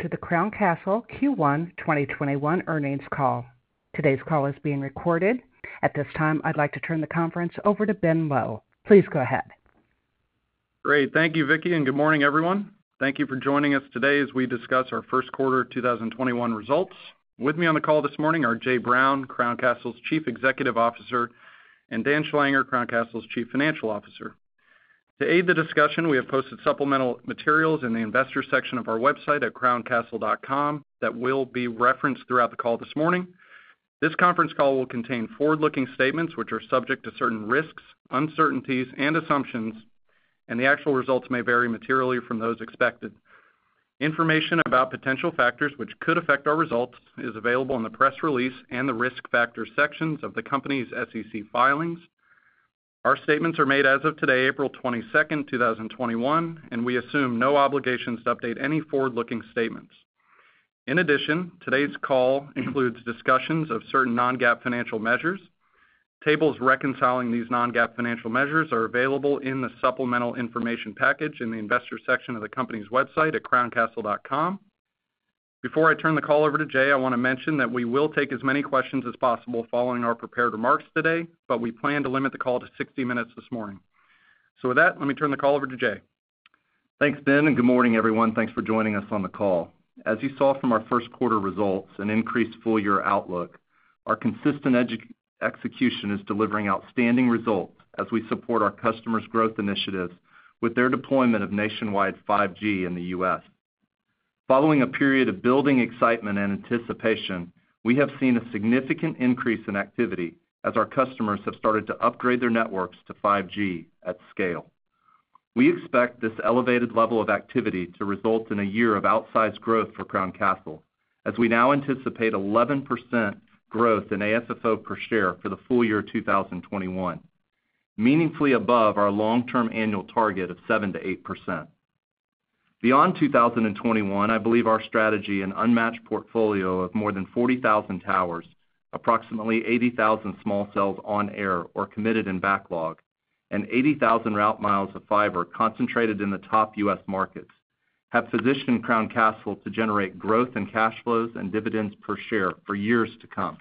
To the Crown Castle Q1 2021 earnings call. Today's call is being recorded. At this time, I'd like to turn the conference over to Ben Lowe. Please go ahead. Great. Thank you, Vicki. Good morning, everyone. Thank you for joining us today as we discuss our first quarter 2021 results. With me on the call this morning are Jay Brown, Crown Castle's Chief Executive Officer, and Dan Schlanger, Crown Castle's Chief Financial Officer. To aid the discussion, we have posted supplemental materials in the investors section of our website at crowncastle.com that will be referenced throughout the call this morning. This conference call will contain forward-looking statements, which are subject to certain risks, uncertainties, and assumptions, and the actual results may vary materially from those expected. Information about potential factors which could affect our results is available in the press release and the risk factor sections of the company's SEC filings. Our statements are made as of today, April 22nd, 2021, and we assume no obligations to update any forward-looking statements. In addition, today's call includes discussions of certain non-GAAP financial measures. Tables reconciling these non-GAAP financial measures are available in the supplemental information package in the investor section of the company's website at crowncastle.com. Before I turn the call over to Jay, I want to mention that we will take as many questions as possible following our prepared remarks today, but we plan to limit the call to 60 minutes this morning. With that, let me turn the call over to Jay. Thanks, Ben, and good morning, everyone. Thanks for joining us on the call. As you saw from our first quarter results, an increased full-year outlook, our consistent execution is delivering outstanding results as we support our customers' growth initiatives with their deployment of nationwide 5G in the U.S. Following a period of building excitement and anticipation, we have seen a significant increase in activity as our customers have started to upgrade their networks to 5G at scale. We expect this elevated level of activity to result in a year of outsized growth for Crown Castle, as we now anticipate 11% growth in AFFO per share for the full year 2021, meaningfully above our long-term annual target of 7%-8%. Beyond 2021, I believe our strategy and unmatched portfolio of more than 40,000 towers, approximately 80,000 small cells on air or committed in backlog, and 80,000 route mi of fiber concentrated in the top U.S. markets, have positioned Crown Castle to generate growth in cash flows and dividends per share for years to come.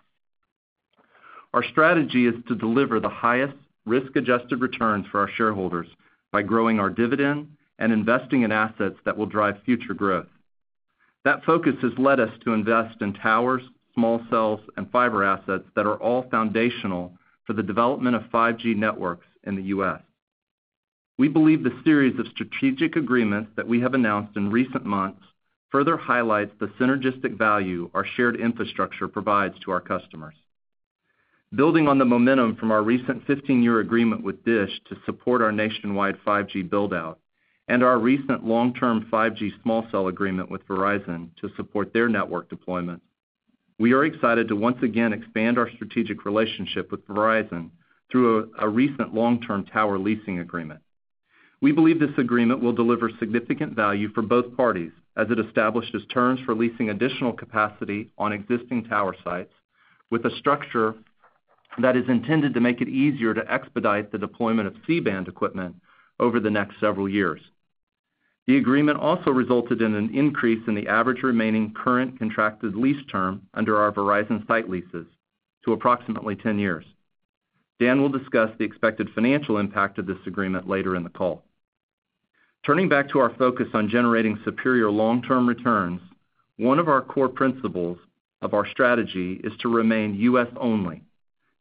Our strategy is to deliver the highest risk-adjusted returns for our shareholders by growing our dividend and investing in assets that will drive future growth. That focus has led us to invest in towers, small cells, and fiber assets that are all foundational for the development of 5G networks in the U.S. We believe the series of strategic agreements that we have announced in recent months further highlights the synergistic value our shared infrastructure provides to our customers. Building on the momentum from our recent 15-year agreement with DISH to support our nationwide 5G build-out and our recent long-term 5G small cell agreement with Verizon to support their network deployment, we are excited to once again expand our strategic relationship with Verizon through a recent long-term tower leasing agreement. We believe this agreement will deliver significant value for both parties, as it establishes terms for leasing additional capacity on existing tower sites with a structure that is intended to make it easier to expedite the deployment of C-band equipment over the next several years. The agreement also resulted in an increase in the average remaining current contracted lease term under our Verizon site leases to approximately 10 years. Dan will discuss the expected financial impact of this agreement later in the call. Turning back to our focus on generating superior long-term returns, one of our core principles of our strategy is to remain U.S.-only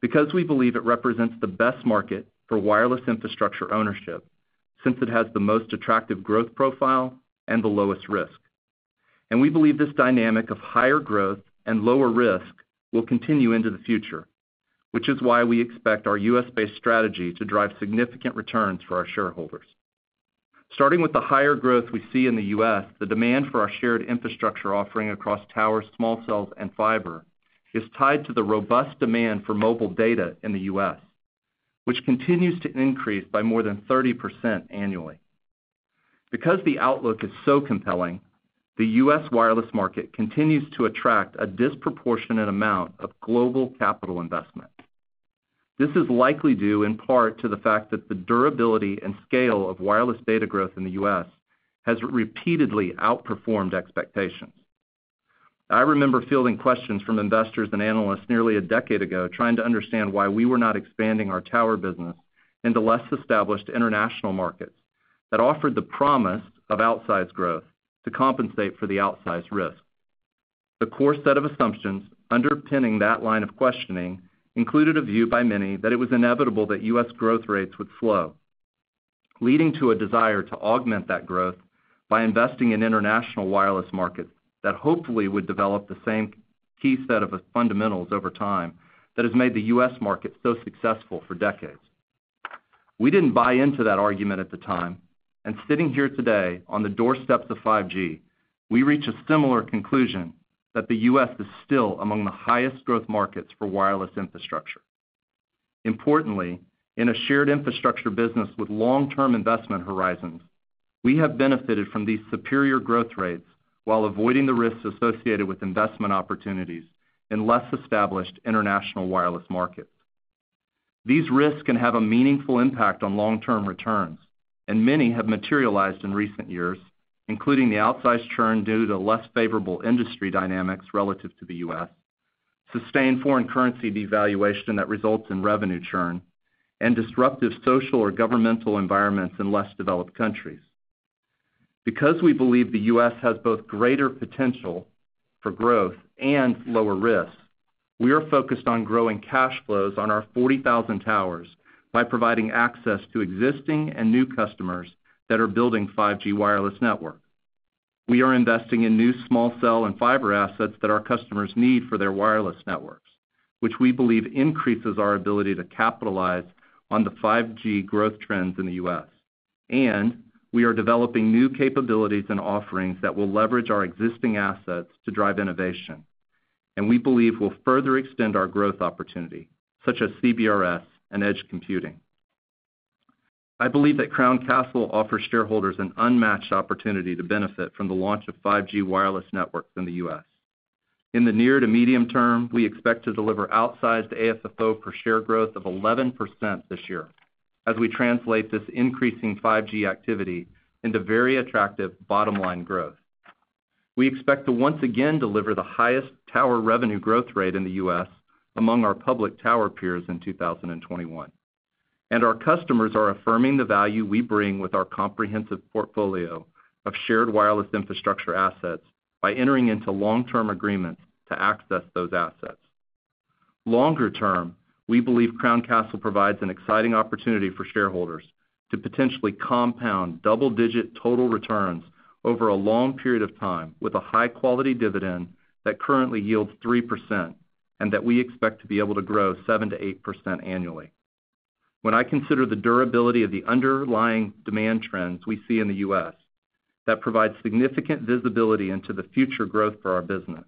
because we believe it represents the best market for wireless infrastructure ownership, since it has the most attractive growth profile and the lowest risk. We believe this dynamic of higher growth and lower risk will continue into the future, which is why we expect our U.S.-based strategy to drive significant returns for our shareholders. Starting with the higher growth we see in the U.S., the demand for our shared infrastructure offering across towers, small cells, and fiber is tied to the robust demand for mobile data in the U.S., which continues to increase by more than 30% annually. Because the outlook is so compelling, the U.S. wireless market continues to attract a disproportionate amount of global capital investment. This is likely due in part to the fact that the durability and scale of wireless data growth in the U.S. has repeatedly outperformed expectations. I remember fielding questions from investors and analysts nearly a decade ago trying to understand why we were not expanding our tower business into less established international markets that offered the promise of outsized growth to compensate for the outsized risk. The core set of assumptions underpinning that line of questioning included a view by many that it was inevitable that U.S. growth rates would slow, leading to a desire to augment that growth by investing in international wireless markets that hopefully would develop the same key set of fundamentals over time that has made the U.S. market so successful for decades. We didn't buy into that argument at the time, sitting here today on the doorsteps of 5G, we reach a similar conclusion that the U.S. is still among the highest growth markets for wireless infrastructure. Importantly, in a shared infrastructure business with long-term investment horizons, we have benefited from these superior growth rates while avoiding the risks associated with investment opportunities in less established international wireless markets. These risks can have a meaningful impact on long-term returns, many have materialized in recent years, including the outsized churn due to less favorable industry dynamics relative to the U.S., sustained foreign currency devaluation that results in revenue churn, and disruptive social or governmental environments in less developed countries. Because we believe the U.S. has both greater potential for growth and lower risk, we are focused on growing cash flows on our 40,000 towers by providing access to existing and new customers that are building 5G wireless network. We are investing in new small cell and fiber assets that our customers need for their wireless networks, which we believe increases our ability to capitalize on the 5G growth trends in the U.S. We are developing new capabilities and offerings that will leverage our existing assets to drive innovation and we believe will further extend our growth opportunity, such as CBRS and edge computing. I believe that Crown Castle offers shareholders an unmatched opportunity to benefit from the launch of 5G wireless networks in the U.S. In the near to medium term, we expect to deliver outsized AFFO per share growth of 11% this year as we translate this increasing 5G activity into very attractive bottom-line growth. We expect to once again deliver the highest tower revenue growth rate in the U.S. among our public tower peers in 2021. Our customers are affirming the value we bring with our comprehensive portfolio of shared wireless infrastructure assets by entering into long-term agreements to access those assets. Longer term, we believe Crown Castle provides an exciting opportunity for shareholders to potentially compound double-digit total returns over a long period of time with a high-quality dividend that currently yields 3% and that we expect to be able to grow 7%-8% annually. When I consider the durability of the underlying demand trends we see in the U.S. that provide significant visibility into the future growth for our business,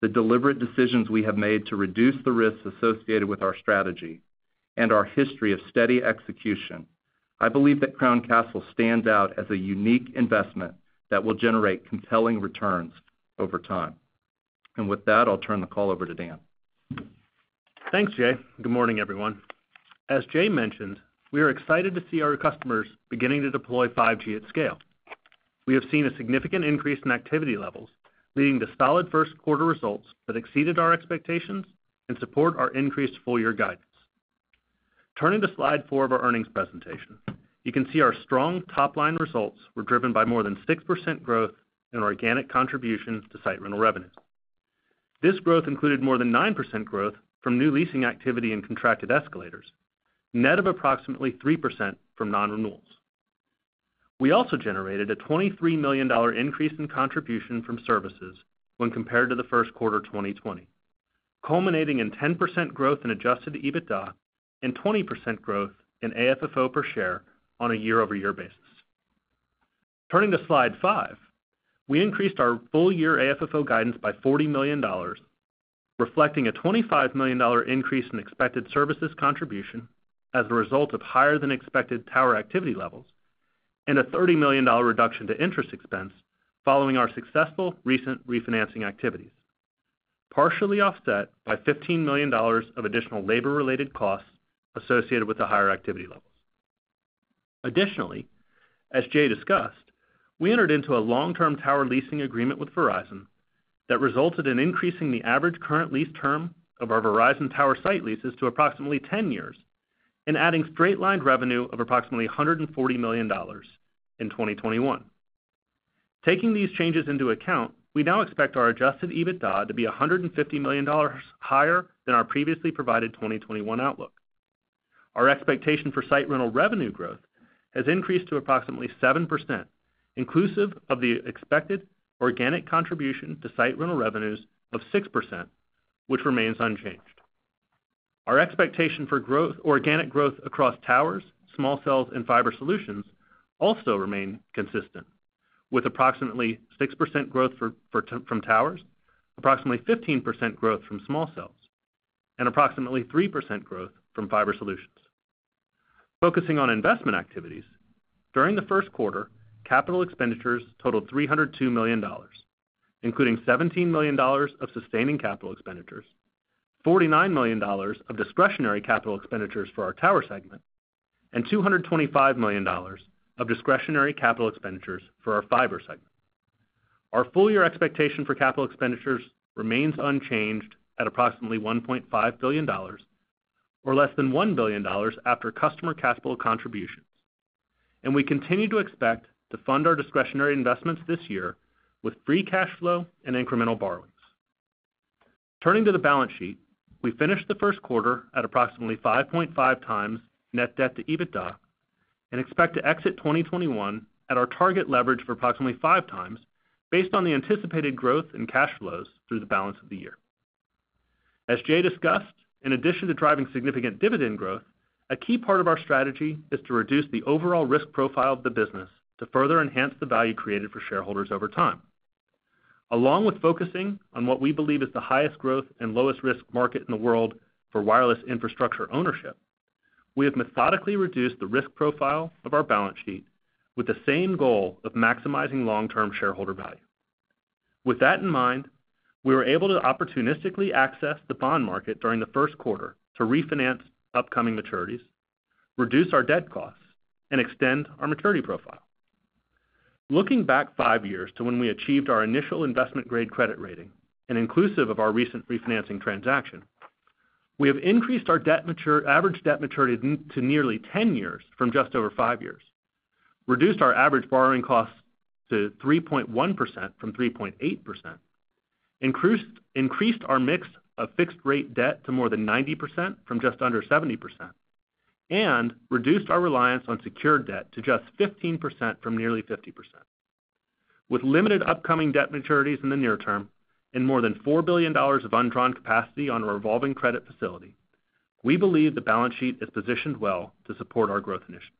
the deliberate decisions we have made to reduce the risks associated with our strategy, and our history of steady execution, I believe that Crown Castle stands out as a unique investment that will generate compelling returns over time. With that, I'll turn the call over to Dan. Thanks, Jay. Good morning, everyone. As Jay mentioned, we are excited to see our customers beginning to deploy 5G at scale. We have seen a significant increase in activity levels, leading to solid first quarter results that exceeded our expectations and support our increased full-year guidance. Turning to slide four of our earnings presentation, you can see our strong top-line results were driven by more than 6% growth in organic contributions to site rental revenues. This growth included more than 9% growth from new leasing activity and contracted escalators, net of approximately 3% from non-renewals. We also generated a $23 million increase in contribution from services when compared to the first quarter 2020, culminating in 10% growth in adjusted EBITDA and 20% growth in AFFO per share on a year-over-year basis. Turning to slide five, we increased our full-year AFFO guidance by $40 million, reflecting a $25 million increase in expected services contribution as a result of higher than expected tower activity levels and a $30 million reduction to interest expense following our successful recent refinancing activities, partially offset by $15 million of additional labor-related costs associated with the higher activity levels. Additionally, as Jay discussed, we entered into a long-term tower leasing agreement with Verizon that resulted in increasing the average current lease term of our Verizon tower site leases to approximately 10 years and adding straight-lined revenue of approximately $140 million in 2021. Taking these changes into account, we now expect our adjusted EBITDA to be $150 million higher than our previously provided 2021 outlook. Our expectation for site rental revenue growth has increased to approximately 7%, inclusive of the expected organic contribution to site rental revenues of 6%, which remains unchanged. Our expectation for organic growth across towers, small cells, and fiber solutions also remain consistent, with approximately 6% growth from towers, approximately 15% growth from small cells, and approximately 3% growth from fiber solutions. Focusing on investment activities, during the first quarter, capital expenditures totaled $302 million, including $17 million of sustaining capital expenditures, $49 million of discretionary capital expenditures for our Tower segment, and $225 million of discretionary capital expenditures for our Fiber segment. Our full-year expectation for capital expenditures remains unchanged at approximately $1.5 billion, or less than $1 billion after customer capital contributions. We continue to expect to fund our discretionary investments this year with free cash flow and incremental borrowings. Turning to the balance sheet, we finished the first quarter at approximately 5.5x net debt to EBITDA and expect to exit 2021 at our target leverage of approximately 5x based on the anticipated growth in cash flows through the balance of the year. As Jay discussed, in addition to driving significant dividend growth, a key part of our strategy is to reduce the overall risk profile of the business to further enhance the value created for shareholders over time. Along with focusing on what we believe is the highest growth and lowest risk market in the world for wireless infrastructure ownership, we have methodically reduced the risk profile of our balance sheet with the same goal of maximizing long-term shareholder value. With that in mind, we were able to opportunistically access the bond market during the first quarter to refinance upcoming maturities, reduce our debt costs, and extend our maturity profile. Looking back five years to when we achieved our initial investment-grade credit rating and inclusive of our recent refinancing transaction, we have increased our average debt maturity to nearly 10 years from just over five years, reduced our average borrowing costs to 3.1% from 3.8%, increased our mix of fixed-rate debt to more than 90% from just under 70%, and reduced our reliance on secured debt to just 15% from nearly 50%. With limited upcoming debt maturities in the near term and more than $4 billion of undrawn capacity on a revolving credit facility, we believe the balance sheet is positioned well to support our growth initiatives.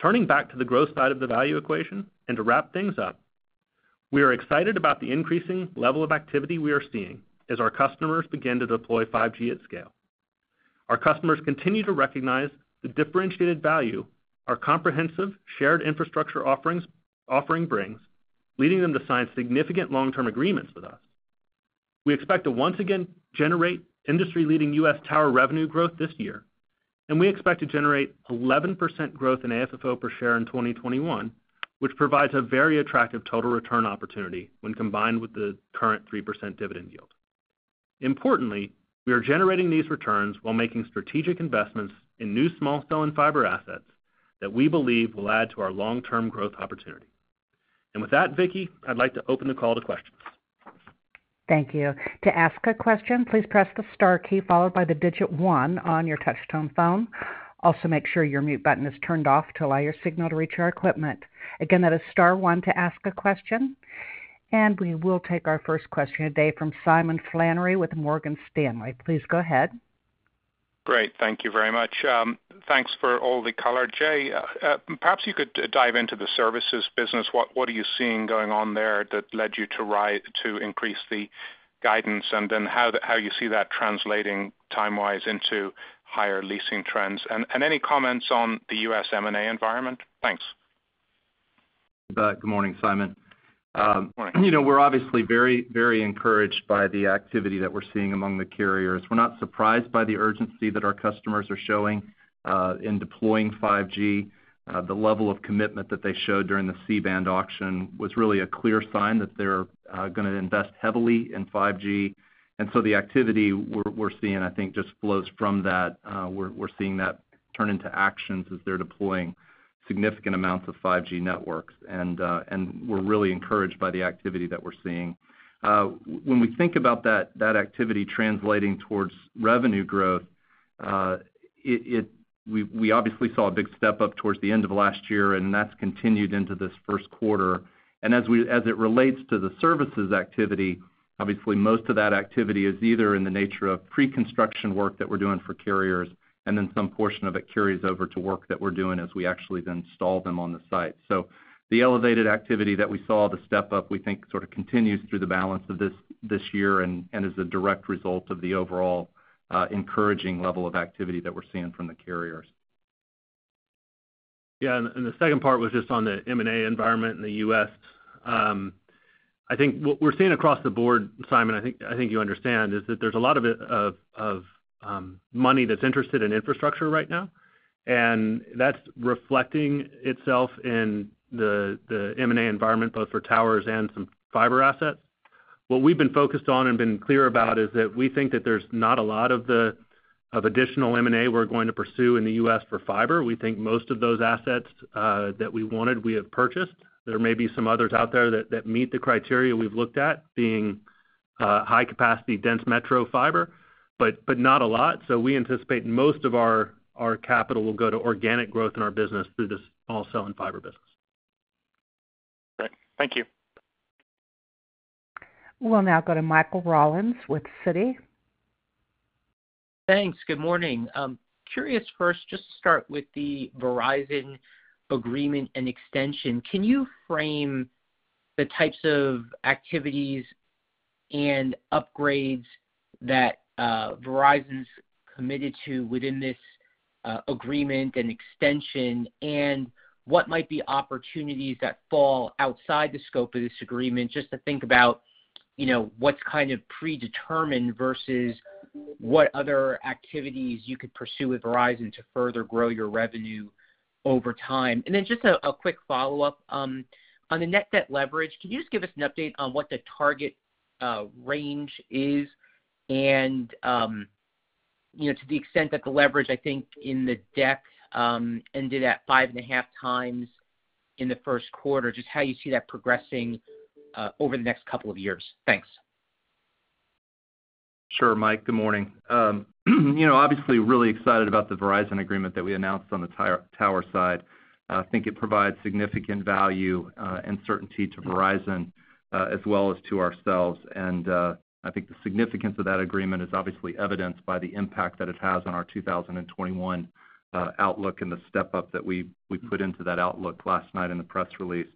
Turning back to the growth side of the value equation and to wrap things up, we are excited about the increasing level of activity we are seeing as our customers begin to deploy 5G at scale. Our customers continue to recognize the differentiated value our comprehensive shared infrastructure offering brings, leading them to sign significant long-term agreements with us. We expect to once again generate industry-leading U.S. tower revenue growth this year, and we expect to generate 11% growth in AFFO per share in 2021, which provides a very attractive total return opportunity when combined with the current 3% dividend yield. Importantly, we are generating these returns while making strategic investments in new small cell and fiber assets that we believe will add to our long-term growth opportunity. With that, Vicki, I'd like to open the call requests. Thank you. To ask a question, please press the star key followed by the digit one on your touchtone phone. Also, make sure your mute button is turned off to allow your signal to reach our equipment. Again, that is star one to ask a question. We will take our first question today from Simon Flannery with Morgan Stanley. Please go ahead. Great. Thank you very much. Thanks for all the color, Jay. Perhaps you could dive into the services business. What are you seeing going on there that led you to increase the guidance? How you see that translating time-wise into higher leasing trends? Any comments on the U.S. M&A environment? Thanks. Good morning, Simon. Morning. We're obviously very encouraged by the activity that we're seeing among the carriers. We're not surprised by the urgency that our customers are showing in deploying 5G. The level of commitment that they showed during the C-band auction was really a clear sign that they're going to invest heavily in 5G. The activity we're seeing, I think, just flows from that. We're seeing that turn into actions as they're deploying significant amounts of 5G networks, and we're really encouraged by the activity that we're seeing. When we think about that activity translating towards revenue growth, we obviously saw a big step up towards the end of last year, and that's continued into this first quarter. As it relates to the services activity, obviously most of that activity is either in the nature of pre-construction work that we're doing for carriers, and then some portion of it carries over to work that we're doing as we actually then install them on the site. The elevated activity that we saw, the step-up, we think sort of continues through the balance of this year and is a direct result of the overall encouraging level of activity that we're seeing from the carriers. The second part was just on the M&A environment in the U.S. I think what we're seeing across the board, Simon, I think you understand, is that there's a lot of money that's interested in infrastructure right now, and that's reflecting itself in the M&A environment, both for towers and some fiber assets. What we've been focused on and been clear about is that we think that there's not a lot of additional M&A we're going to pursue in the U.S. for fiber. We think most of those assets that we wanted, we have purchased. There may be some others out there that meet the criteria we've looked at being high capacity, dense metro fiber, but not a lot. We anticipate most of our capital will go to organic growth in our business through this small cell and fiber business. Great. Thank you. We'll now go to Michael Rollins with Citi. Thanks. Good morning. Curious first, just to start with the Verizon agreement and extension. Can you frame the types of activities and upgrades that Verizon's committed to within this agreement and extension? What might be opportunities that fall outside the scope of this agreement, just to think about what's kind of predetermined versus what other activities you could pursue with Verizon to further grow your revenue over time? Then just a quick follow-up. On the net debt leverage, can you just give us an update on what the target range is and to the extent that the leverage, I think in the deck ended at 5.5x in the first quarter, just how you see that progressing over the next couple of years. Thanks. Sure, Mike. Good morning. Obviously really excited about the Verizon agreement that we announced on the tower side. I think it provides significant value and certainty to Verizon as well as to ourselves. I think the significance of that agreement is obviously evidenced by the impact that it has on our 2021 outlook and the step-up that we put into that outlook last night in the press release.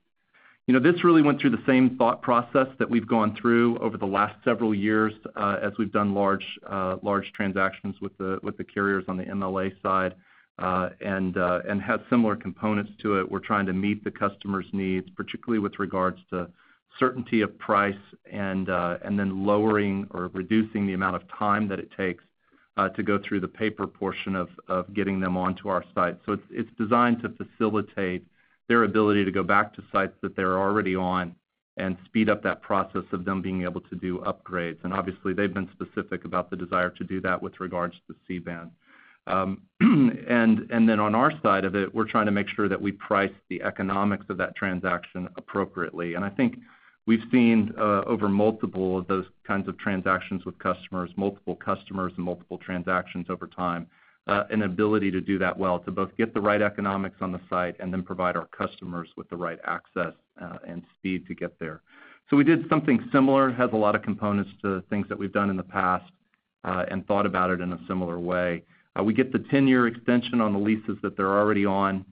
This really went through the same thought process that we've gone through over the last several years as we've done large transactions with the carriers on the MLA side and had similar components to it. We're trying to meet the customer's needs, particularly with regards to certainty of price and then lowering or reducing the amount of time that it takes to go through the paper portion of getting them onto our site. It's designed to facilitate their ability to go back to sites that they're already on and speed up that process of them being able to do upgrades. Obviously, they've been specific about the desire to do that with regards to C-band. On our side of it, we're trying to make sure that we price the economics of that transaction appropriately. I think we've seen over multiple of those kinds of transactions with customers, multiple customers, and multiple transactions over time, an ability to do that well, to both get the right economics on the site and then provide our customers with the right access and speed to get there. We did something similar, it has a lot of components to things that we've done in the past and thought about it in a similar way. We get the 10-year extension on the leases that they're already on,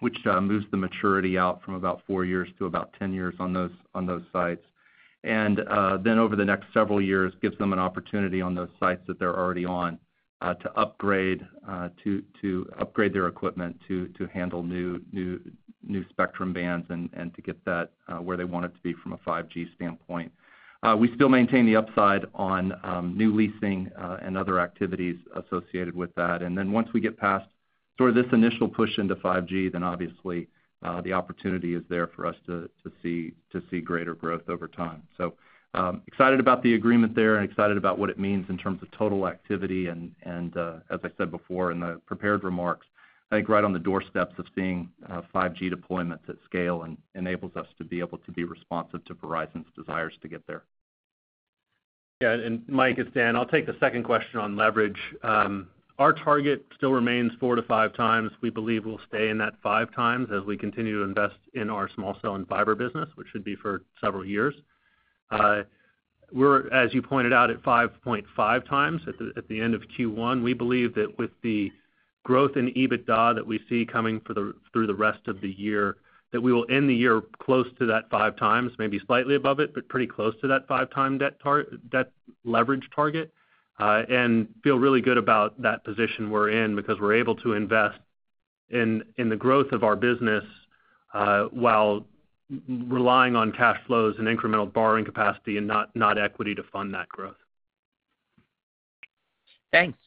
which moves the maturity out from about four years to about 10 years on those sites. Over the next several years, gives them an opportunity on those sites that they're already on to upgrade their equipment to handle new spectrum bands and to get that where they want it to be from a 5G standpoint. We still maintain the upside on new leasing and other activities associated with that. Once we get past this initial push into 5G, then obviously, the opportunity is there for us to see greater growth over time. Excited about the agreement there and excited about what it means in terms of total activity and as I said before in the prepared remarks, I think right on the doorsteps of seeing 5G deployments at scale enables us to be able to be responsive to Verizon's desires to get there. Yeah, Mike, it's Dan. I'll take the second question on leverage. Our target still remains 4x-5x. We believe we'll stay in that 5x as we continue to invest in our small cell and fiber business, which should be for several years. We're, as you pointed out, at 5.5x at the end of Q1. We believe that with the growth in EBITDA that we see coming through the rest of the year, that we will end the year close to that 5x, maybe slightly above it, but pretty close to that 5x debt leverage target, and feel really good about that position we're in because we're able to invest in the growth of our business while relying on cash flows and incremental borrowing capacity and not equity to fund that growth. Thanks.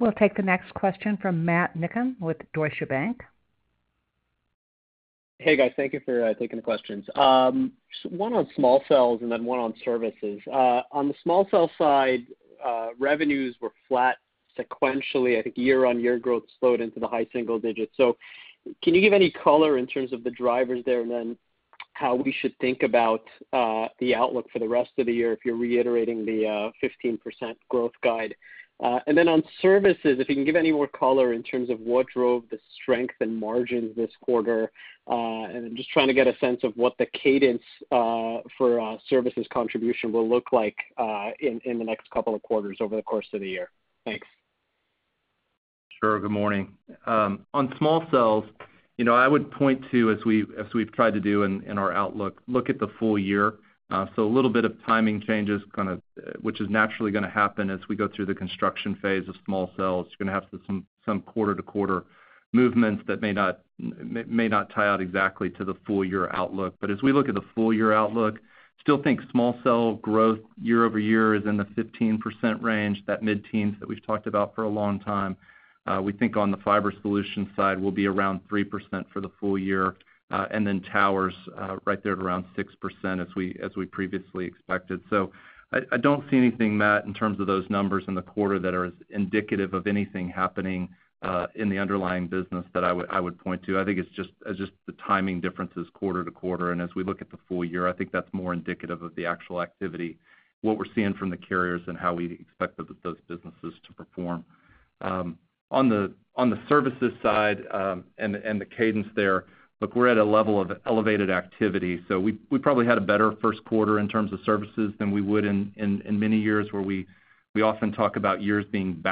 We'll take the next question from Matt Niknam with Deutsche Bank. Hey, guys. Thank you for taking the questions. One on small cells and then one on services. On the small cell side, revenues were flat sequentially. I think year-over-year growth slowed into the high single digits. Can you give any color in terms of the drivers there and then how we should think about the outlook for the rest of the year if you're reiterating the 15% growth guide? On services, if you can give any more color in terms of what drove the strength in margins this quarter. I'm just trying to get a sense of what the cadence for services contribution will look like in the next couple of quarters over the course of the year. Thanks. Sure. Good morning. On small cells, I would point to, as we've tried to do in our outlook, look at the full year. A little bit of timing changes, which is naturally going to happen as we go through the construction phase of small cells. You're going to have some quarter-to-quarter movements that may not tie out exactly to the full-year outlook. As we look at the full-year outlook, still think small cell growth year-over-year is in the 15% range, that mid-teens that we've talked about for a long time. We think on the fiber solution side, we'll be around 3% for the full year. Tower is right there at around 6% as we previously expected. I don't see anything, Matt, in terms of those numbers in the quarter that are as indicative of anything happening in the underlying business that I would point to. I think it's just the timing differences quarter to quarter. As we look at the full year, I think that's more indicative of the actual activity, what we're seeing from the carriers and how we expect those businesses to perform. On the services side and the cadence there, look, we're at a level of elevated activity. We probably had a better first quarter in terms of services than we would in many years where we often talk about years being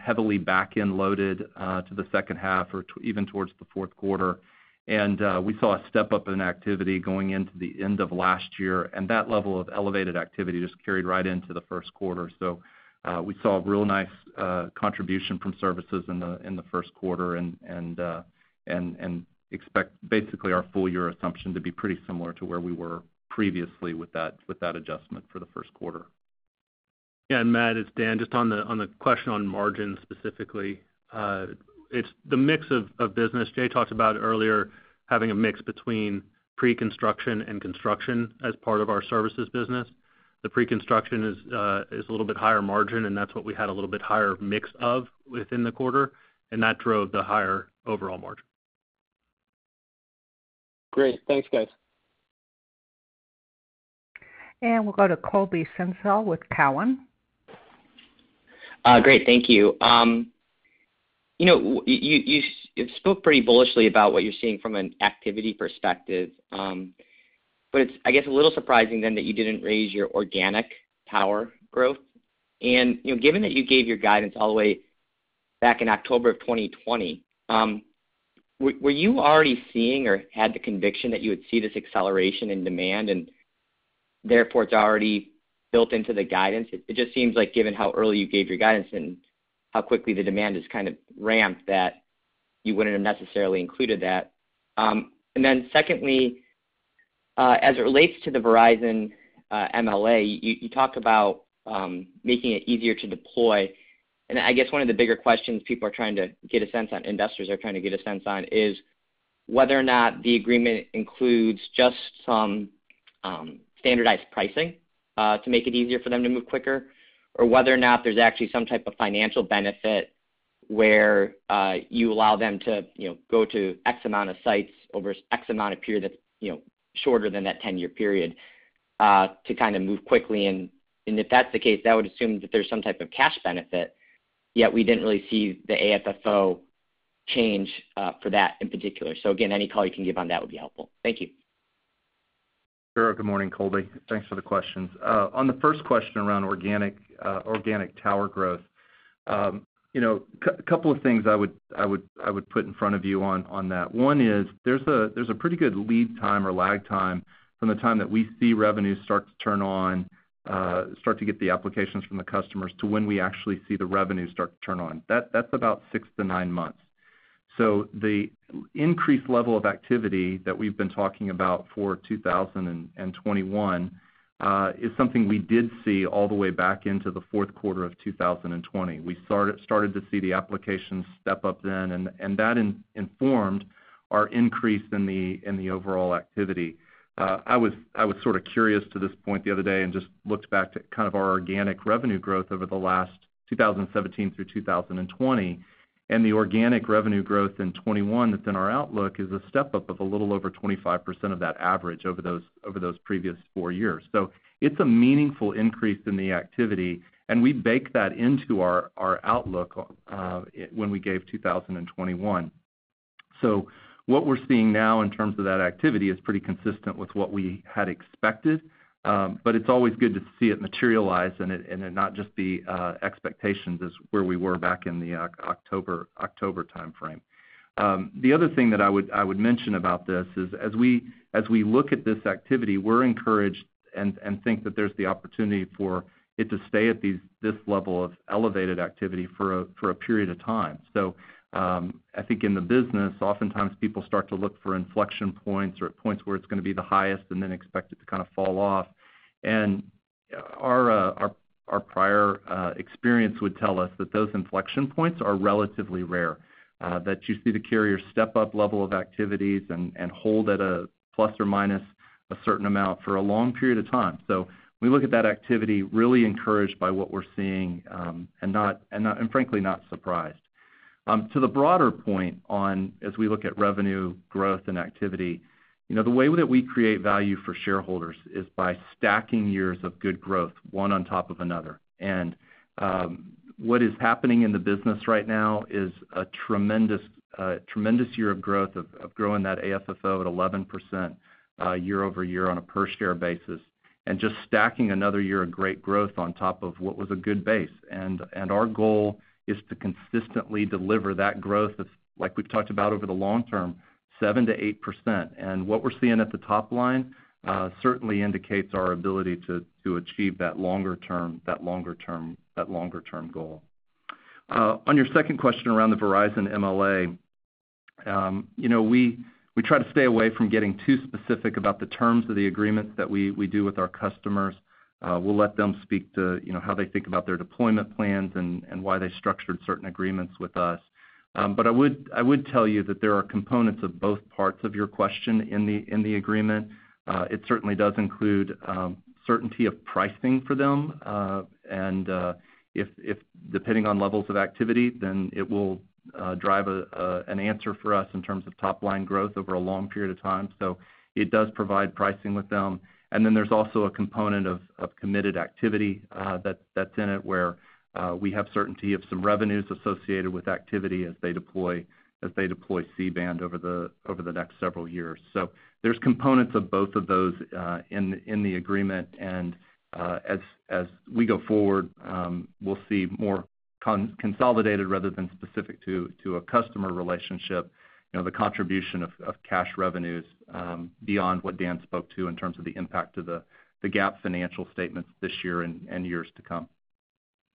heavily back-end loaded to the second half or even towards the fourth quarter. We saw a step-up in activity going into the end of last year, and that level of elevated activity just carried right into the first quarter. We saw a real nice contribution from services in the first quarter and expect basically our full-year assumption to be pretty similar to where we were previously with that adjustment for the first quarter. Yeah. Matt, it's Dan. Just on the question on margins specifically. It's the mix of business. Jay talked about earlier, having a mix between pre-construction and construction as part of our services business. The pre-construction is a little bit higher margin, and that's what we had a little bit higher mix of within the quarter, and that drove the higher overall margin. Great. Thanks, guys. We'll go to Colby Synesael with Cowen. Great. Thank you. You spoke pretty bullishly about what you're seeing from an activity perspective. It's, I guess, a little surprising then that you didn't raise your organic tower growth. Given that you gave your guidance all the way back in October of 2020, were you already seeing or had the conviction that you would see this acceleration in demand, and therefore it's already built into the guidance? It just seems like given how early you gave your guidance and how quickly the demand has ramped, that you wouldn't have necessarily included that. Secondly, as it relates to the Verizon MLA, you talk about making it easier to deploy. I guess one of the bigger questions people are trying to get a sense on, investors are trying to get a sense on, is whether or not the agreement includes just some standardized pricing to make it easier for them to move quicker, or whether or not there's actually some type of financial benefit where you allow them to go to X amount of sites over X amount of period that's shorter than that 10-year period to move quickly. If that's the case, that would assume that there's some type of cash benefit, yet we didn't really see the AFFO change for that in particular. Again, any color you can give on that would be helpful. Thank you. Sure. Good morning, Colby. Thanks for the questions. On the first question around organic tower growth, couple of things I would put in front of you on that. One is there's a pretty good lead time or lag time from the time that we see revenues start to turn on, start to get the applications from the customers to when we actually see the revenues start to turn on. That's about six to nine months. The increased level of activity that we've been talking about for 2021, is something we did see all the way back into the fourth quarter of 2020. We started to see the applications step up then, and that informed our increase in the overall activity. I was sort of curious to this point the other day and just looked back to kind of our organic revenue growth over the last 2017 through 2020. The organic revenue growth in 2021 that's in our outlook is a step-up of a little over 25% of that average over those previous four years. It's a meaningful increase in the activity. We baked that into our outlook when we gave 2021. What we're seeing now in terms of that activity is pretty consistent with what we had expected. It's always good to see it materialize and it not just be expectations as where we were back in the October timeframe. The other thing that I would mention about this is as we look at this activity, we're encouraged and think that there's the opportunity for it to stay at this level of elevated activity for a period of time. I think in the business, oftentimes people start to look for inflection points or at points where it's going to be the highest and then expect it to kind of fall off. Our prior experience would tell us that those inflection points are relatively rare, that you see the carriers step up level of activities and hold at a plus or minus a certain amount for a long period of time. We look at that activity really encouraged by what we're seeing, and frankly, not surprised. To the broader point on, as we look at revenue growth and activity, the way that we create value for shareholders is by stacking years of good growth, one on top of another. What is happening in the business right now is a tremendous year of growth, of growing that AFFO at 11% year-over-year on a per share basis, and just stacking another year of great growth on top of what was a good base. Our goal is to consistently deliver that growth of, like we've talked about over the long term, 7%-8%. What we're seeing at the top line certainly indicates our ability to achieve that longer term goal. On your second question around the Verizon MLA, we try to stay away from getting too specific about the terms of the agreements that we do with our customers. We'll let them speak to how they think about their deployment plans and why they structured certain agreements with us. I would tell you that there are components of both parts of your question in the agreement. It certainly does include certainty of pricing for them. Depending on levels of activity, it will drive an answer for us in terms of top-line growth over a long period of time. It does provide pricing with them. There's also a component of committed activity that's in it, where we have certainty of some revenues associated with activity as they deploy C-band over the next several years. There's components of both of those in the agreement, and as we go forward, we'll see more consolidated rather than specific to a customer relationship, the contribution of cash revenues beyond what Dan spoke to in terms of the impact to the GAAP financial statements this year and years to come.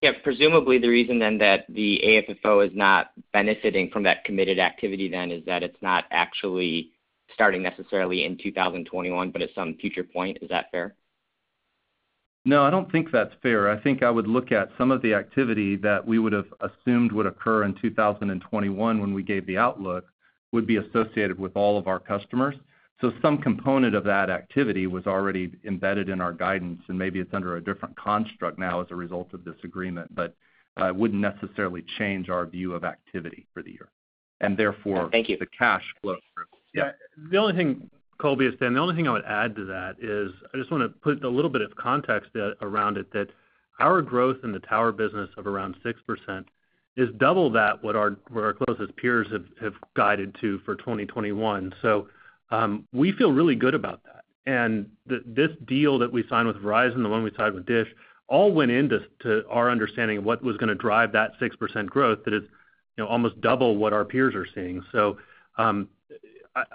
Yeah. Presumably, the reason then that the AFFO is not benefiting from that committed activity then is that it's not actually starting necessarily in 2021, but at some future point. Is that fair? No, I don't think that's fair. I think I would look at some of the activity that we would've assumed would occur in 2021 when we gave the outlook, would be associated with all of our customers. Some component of that activity was already embedded in our guidance, and maybe it's under a different construct now as a result of this agreement, but wouldn't necessarily change our view of activity for the year. And therefore- Thank you The cash flow. Yeah. Colby, it's Dan. The only thing I would add to that is I just want to put a little bit of context around it that our growth in the Tower business of around 6% is double that what our closest peers have guided to for 2021. We feel really good about that. This deal that we signed with Verizon, the one we signed with DISH, all went into our understanding of what was going to drive that 6% growth that is almost double what our peers are seeing.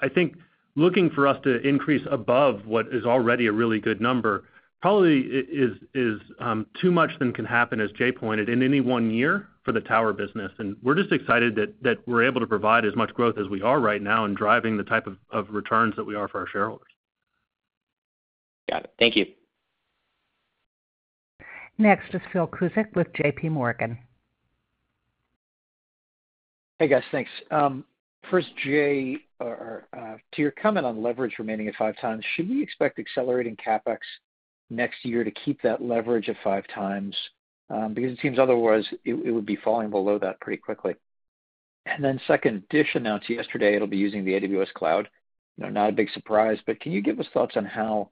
I think looking for us to increase above what is already a really good number probably is too much then can happen, as Jay pointed, in any one year for the Tower business. We're just excited that we're able to provide as much growth as we are right now in driving the type of returns that we are for our shareholders. Got it. Thank you. Next is Phil Cusick with JPMorgan. Hey, guys. Thanks. First, Jay, to your comment on leverage remaining at 5x, should we expect accelerating CapEx next year to keep that leverage at 5x? It seems otherwise, it would be falling below that pretty quickly. Second, DISH announced yesterday it'll be using the AWS cloud. Not a big surprise, can you give us thoughts on how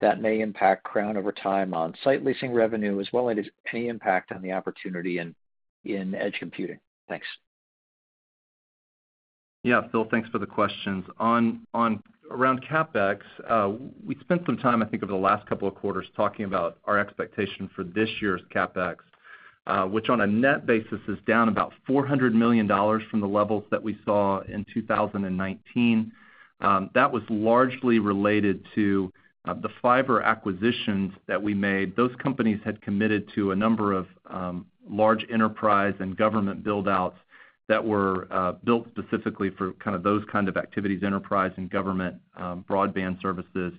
that may impact Crown over time on site leasing revenue, as well as any impact on the opportunity in edge computing? Thanks. Yeah. Phil, thanks for the questions. Around CapEx, we'd spent some time, I think, over the last couple of quarters talking about our expectation for this year's CapEx, which on a net basis is down about $400 million from the levels that we saw in 2019. That was largely related to the fiber acquisitions that we made. Those companies had committed to a number of large enterprise and government build-outs that were built specifically for those kind of activities, enterprise and government broadband services.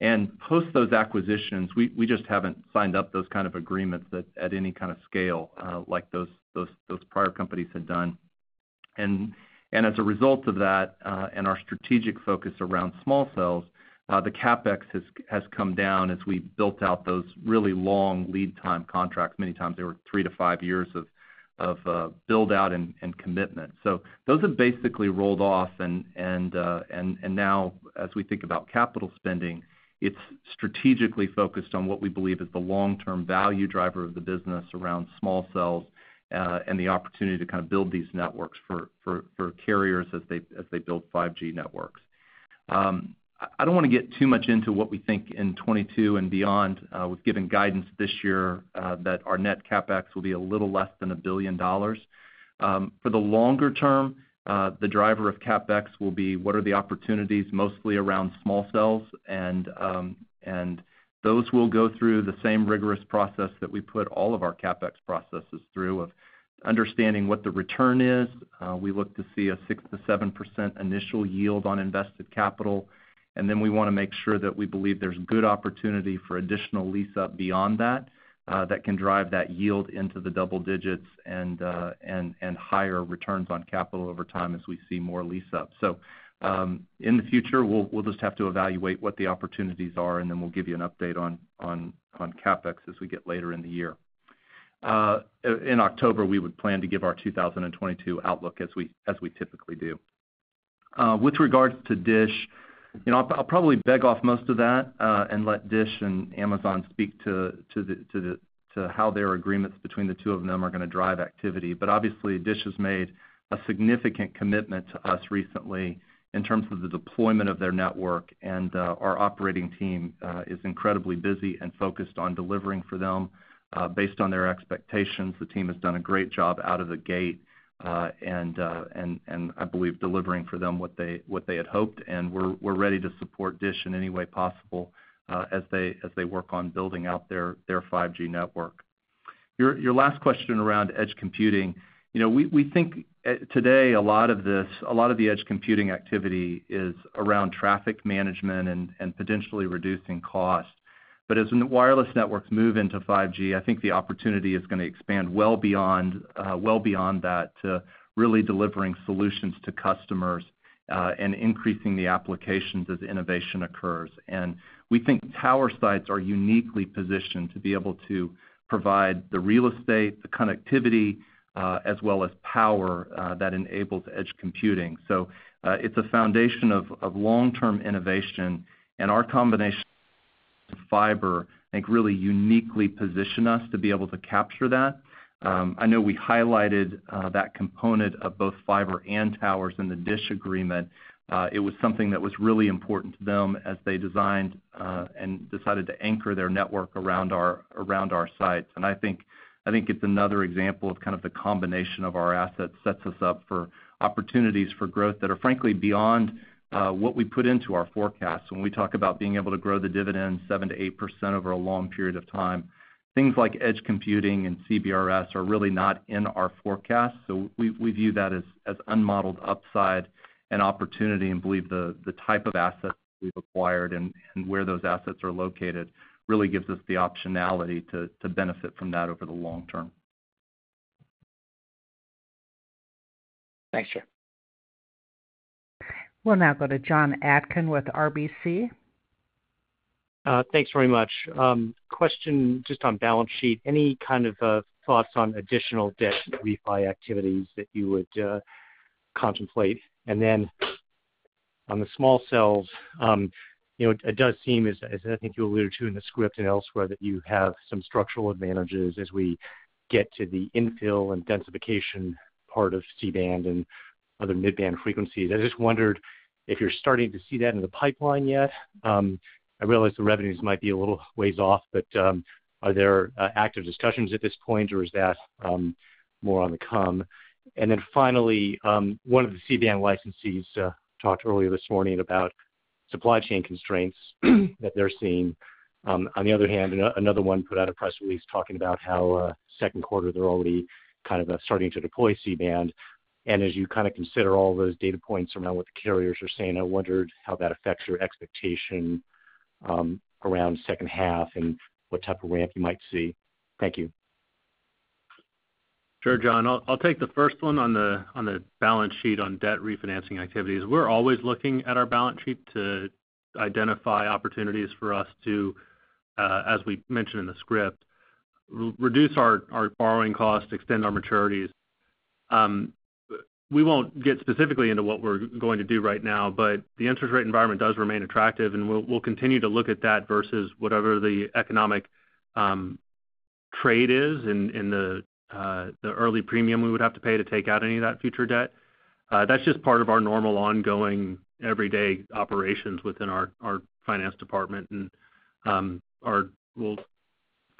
And post those acquisitions, we just haven't signed up those kind of agreements at any kind of scale like those prior companies had done. And as a result of that and our strategic focus around small cells, the CapEx has come down as we built out those really long lead time contracts. Many times they were three to five years of build-out and commitment. Those have basically rolled off and now as we think about capital spending, it's strategically focused on what we believe is the long-term value driver of the business around small cells, and the opportunity to build these networks for carriers as they build 5G networks. I don't want to get too much into what we think in 2022 and beyond. We've given guidance this year that our net CapEx will be a little less than $1 billion. For the longer term, the driver of CapEx will be what are the opportunities mostly around small cells, and those will go through the same rigorous process that we put all of our CapEx processes through of understanding what the return is. We look to see a 6%-7% initial yield on invested capital, and then we want to make sure that we believe there's good opportunity for additional lease-up beyond that can drive that yield into the double digits and higher returns on capital over time as we see more lease-up. In the future, we'll just have to evaluate what the opportunities are, and then we'll give you an update on CapEx as we get later in the year. In October, we would plan to give our 2022 outlook as we typically do. With regards to DISH, I'll probably beg off most of that, and let DISH and Amazon speak to how their agreements between the two of them are going to drive activity. Obviously, DISH has made a significant commitment to us recently in terms of the deployment of their network, and our operating team is incredibly busy and focused on delivering for them. Based on their expectations, the team has done a great job out of the gate, and I believe delivering for them what they had hoped, and we're ready to support DISH in any way possible, as they work on building out their 5G network. Your last question around edge computing. We think today a lot of the edge computing activity is around traffic management and potentially reducing cost. As wireless networks move into 5G, I think the opportunity is going to expand well beyond that to really delivering solutions to customers, and increasing the applications as innovation occurs. We think tower sites are uniquely positioned to be able to provide the real estate, the connectivity, as well as power that enables edge computing. It's a foundation of long-term innovation, and our combination fiber, I think, really uniquely position us to be able to capture that. I know we highlighted that component of both fiber and towers in the DISH agreement. It was something that was really important to them as they designed and decided to anchor their network around our sites. I think it's another example of kind of the combination of our assets sets us up for opportunities for growth that are frankly beyond what we put into our forecast. When we talk about being able to grow the dividend 7%-8% over a long period of time, things like edge computing and CBRS are really not in our forecast. We view that as unmodeled upside and opportunity and believe the type of assets we've acquired and where those assets are located really gives us the optionality to benefit from that over the long term. Thanks, Jay. We'll now go to Jon Atkin with RBC. Thanks very much. Question just on balance sheet. Any kind of thoughts on additional DISH refi activities that you would contemplate? On the small cells, it does seem as, I think you alluded to in the script and elsewhere, that you have some structural advantages as we get to the infill and densification part of C-band and other mid-band frequencies. I just wondered if you're starting to see that in the pipeline yet. I realize the revenues might be a little ways off, but are there active discussions at this point, or is that more on the come? Finally, one of the C-band licensees talked earlier this morning about supply chain constraints that they're seeing. On the other hand, another one put out a press release talking about how second quarter, they're already kind of starting to deploy C-band. As you consider all those data points around what the carriers are saying, I wondered how that affects your expectation around second half and what type of ramp you might see. Thank you. Sure, Jon. I'll take the first one on the balance sheet on debt refinancing activities. We're always looking at our balance sheet to identify opportunities for us to, as we mentioned in the script, reduce our borrowing costs, extend our maturities. We won't get specifically into what we're going to do right now, but the interest rate environment does remain attractive, and we'll continue to look at that versus whatever the economic trade is in the early premium we would have to pay to take out any of that future debt. That's just part of our normal, ongoing, everyday operations within our finance department. We'll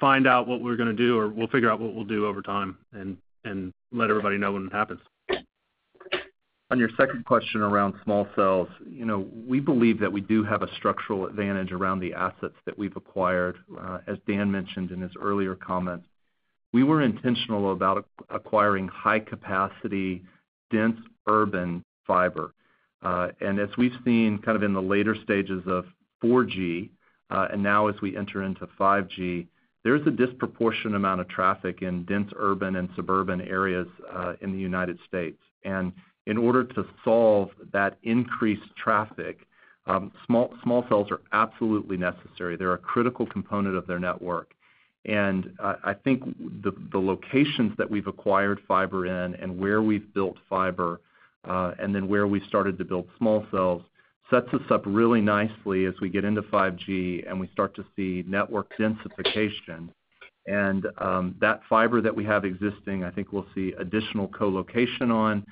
find out what we're going to do, or we'll figure out what we'll do over time and let everybody know when it happens. On your second question around small cells, we believe that we do have a structural advantage around the assets that we've acquired. As Dan mentioned in his earlier comments, we were intentional about acquiring high-capacity, dense urban fiber. As we've seen kind of in the later stages of 4G and now as we enter into 5G, there is a disproportionate amount of traffic in dense urban and suburban areas in the U.S. In order to solve that increased traffic, small cells are absolutely necessary. They're a critical component of their network. I think the locations that we've acquired fiber in and where we've built fiber, and then where we started to build small cells, sets us up really nicely as we get into 5G and we start to see network densification. That fiber that we have existing, I think we'll see additional co-location on,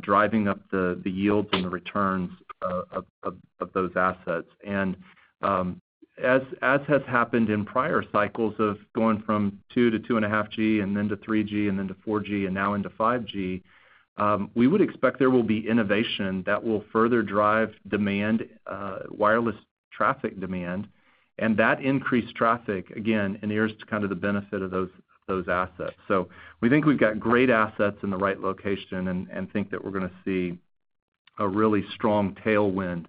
driving up the yields and the returns of those assets. As has happened in prior cycles of going from 2G to 2.5G, and then to 3G, and then to 4G, and now into 5G, we would expect there will be innovation that will further drive wireless traffic demand. That increased traffic, again, adheres to the benefit of those assets. We think we've got great assets in the right location and think that we're going to see a really strong tailwind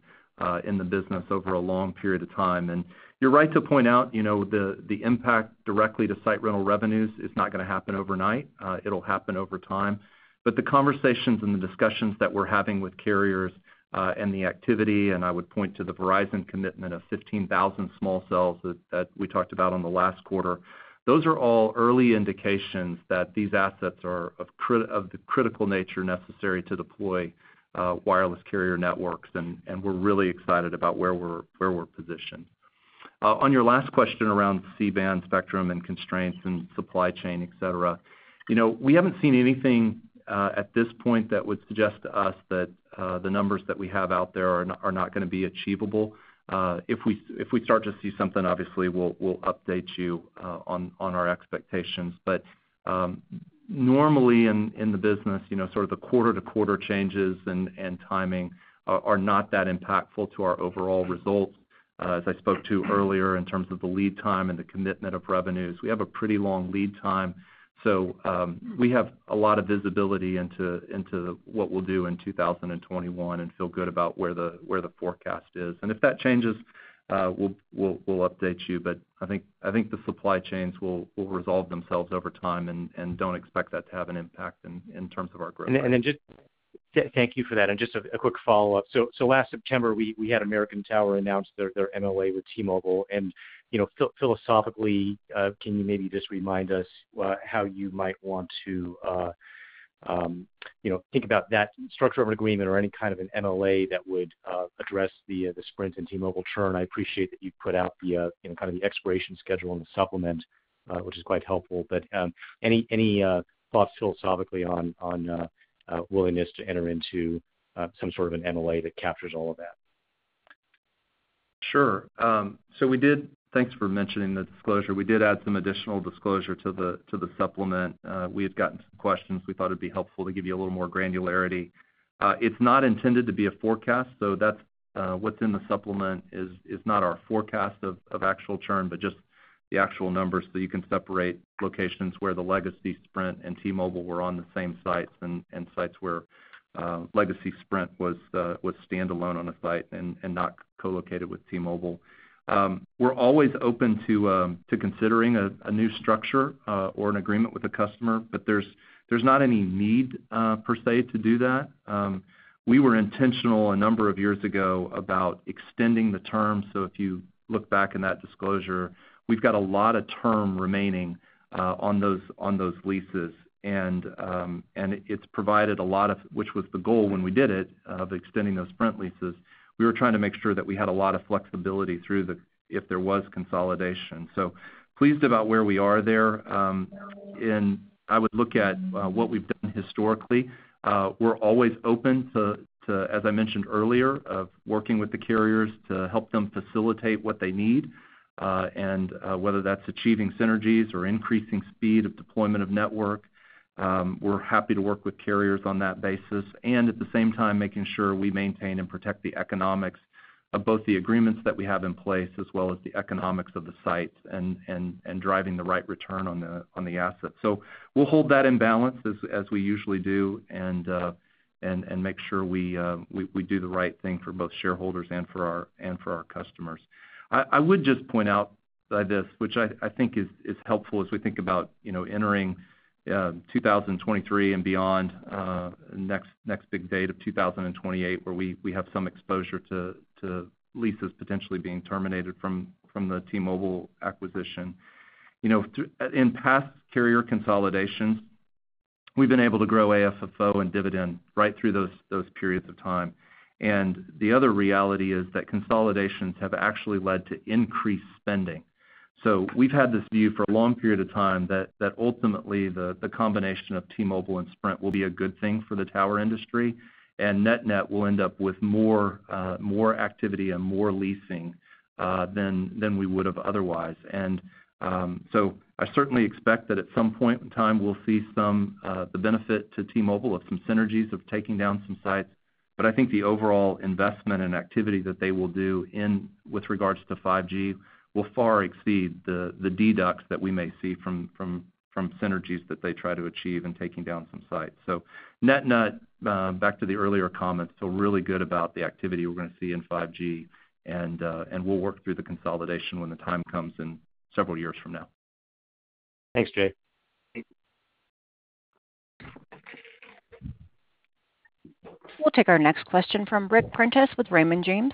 in the business over a long period of time. You're right to point out, the impact directly to site rental revenues is not going to happen overnight. It'll happen over time. The conversations and the discussions that we're having with carriers and the activity, and I would point to the Verizon commitment of 15,000 small cells that we talked about on the last quarter, those are all early indications that these assets are of the critical nature necessary to deploy wireless carrier networks, and we're really excited about where we're positioned. On your last question around C-band spectrum and constraints and supply chain, et cetera. We haven't seen anything at this point that would suggest to us that the numbers that we have out there are not going to be achievable. If we start to see something, obviously, we'll update you on our expectations. Normally in the business, sort of the quarter-to-quarter changes and timing are not that impactful to our overall results. As I spoke to earlier in terms of the lead time and the commitment of revenues, we have a pretty long lead time. We have a lot of visibility into what we'll do in 2021 and feel good about where the forecast is. If that changes, we'll update you, but I think the supply chains will resolve themselves over time and don't expect that to have an impact in terms of our growth. Thank you for that. Just a quick follow-up. Last September, we had American Tower announce their MLA with T-Mobile, and philosophically, can you maybe just remind us how you might want to think about that structural of an agreement or any kind of an MLA that would address the Sprint and T-Mobile churn? I appreciate that you put out the kind of the expiration schedule and the supplement, which is quite helpful. Any thoughts philosophically on willingness to enter into some sort of an MLA that captures all of that? Sure. Thanks for mentioning the disclosure. We did add some additional disclosure to the supplement. We had gotten some questions. We thought it'd be helpful to give you a little more granularity. It's not intended to be a forecast, so what's in the supplement is not our forecast of actual churn, but just the actual numbers so you can separate locations where the legacy Sprint and T-Mobile were on the same sites and sites where legacy Sprint was standalone on a site and not co-located with T-Mobile. We're always open to considering a new structure or an agreement with a customer, but there's not any need per se to do that. We were intentional a number of years ago about extending the term. If you look back in that disclosure, we've got a lot of term remaining on those leases, which was the goal when we did it, of extending those Sprint leases. We were trying to make sure that we had a lot of flexibility if there was consolidation. Pleased about where we are there. I would look at what we've done historically. We're always open to, as I mentioned earlier, working with the carriers to help them facilitate what they need, and whether that's achieving synergies or increasing speed of deployment of network, we're happy to work with carriers on that basis. At the same time, making sure we maintain and protect the economics of both the agreements that we have in place, as well as the economics of the sites and driving the right return on the assets. We'll hold that in balance as we usually do and make sure we do the right thing for both shareholders and for our customers. I would just point out this, which I think is helpful as we think about entering 2023 and beyond, next big date of 2028, where we have some exposure to leases potentially being terminated from the T-Mobile acquisition. In past carrier consolidations, we've been able to grow AFFO and dividend right through those periods of time. The other reality is that consolidations have actually led to increased spending. We've had this view for a long period of time that ultimately, the combination of T-Mobile and Sprint will be a good thing for the tower industry. Net-net, we'll end up with more activity and more leasing than we would have otherwise. I certainly expect that at some point in time, we'll see the benefit to T-Mobile of some synergies of taking down some sites. I think the overall investment and activity that they will do with regards to 5G will far exceed the deducts that we may see from synergies that they try to achieve in taking down some sites. Net-net, back to the earlier comments, feel really good about the activity we're going to see in 5G, and we'll work through the consolidation when the time comes several years from now. Thanks, Jay. We'll take our next question from Ric Prentiss with Raymond James.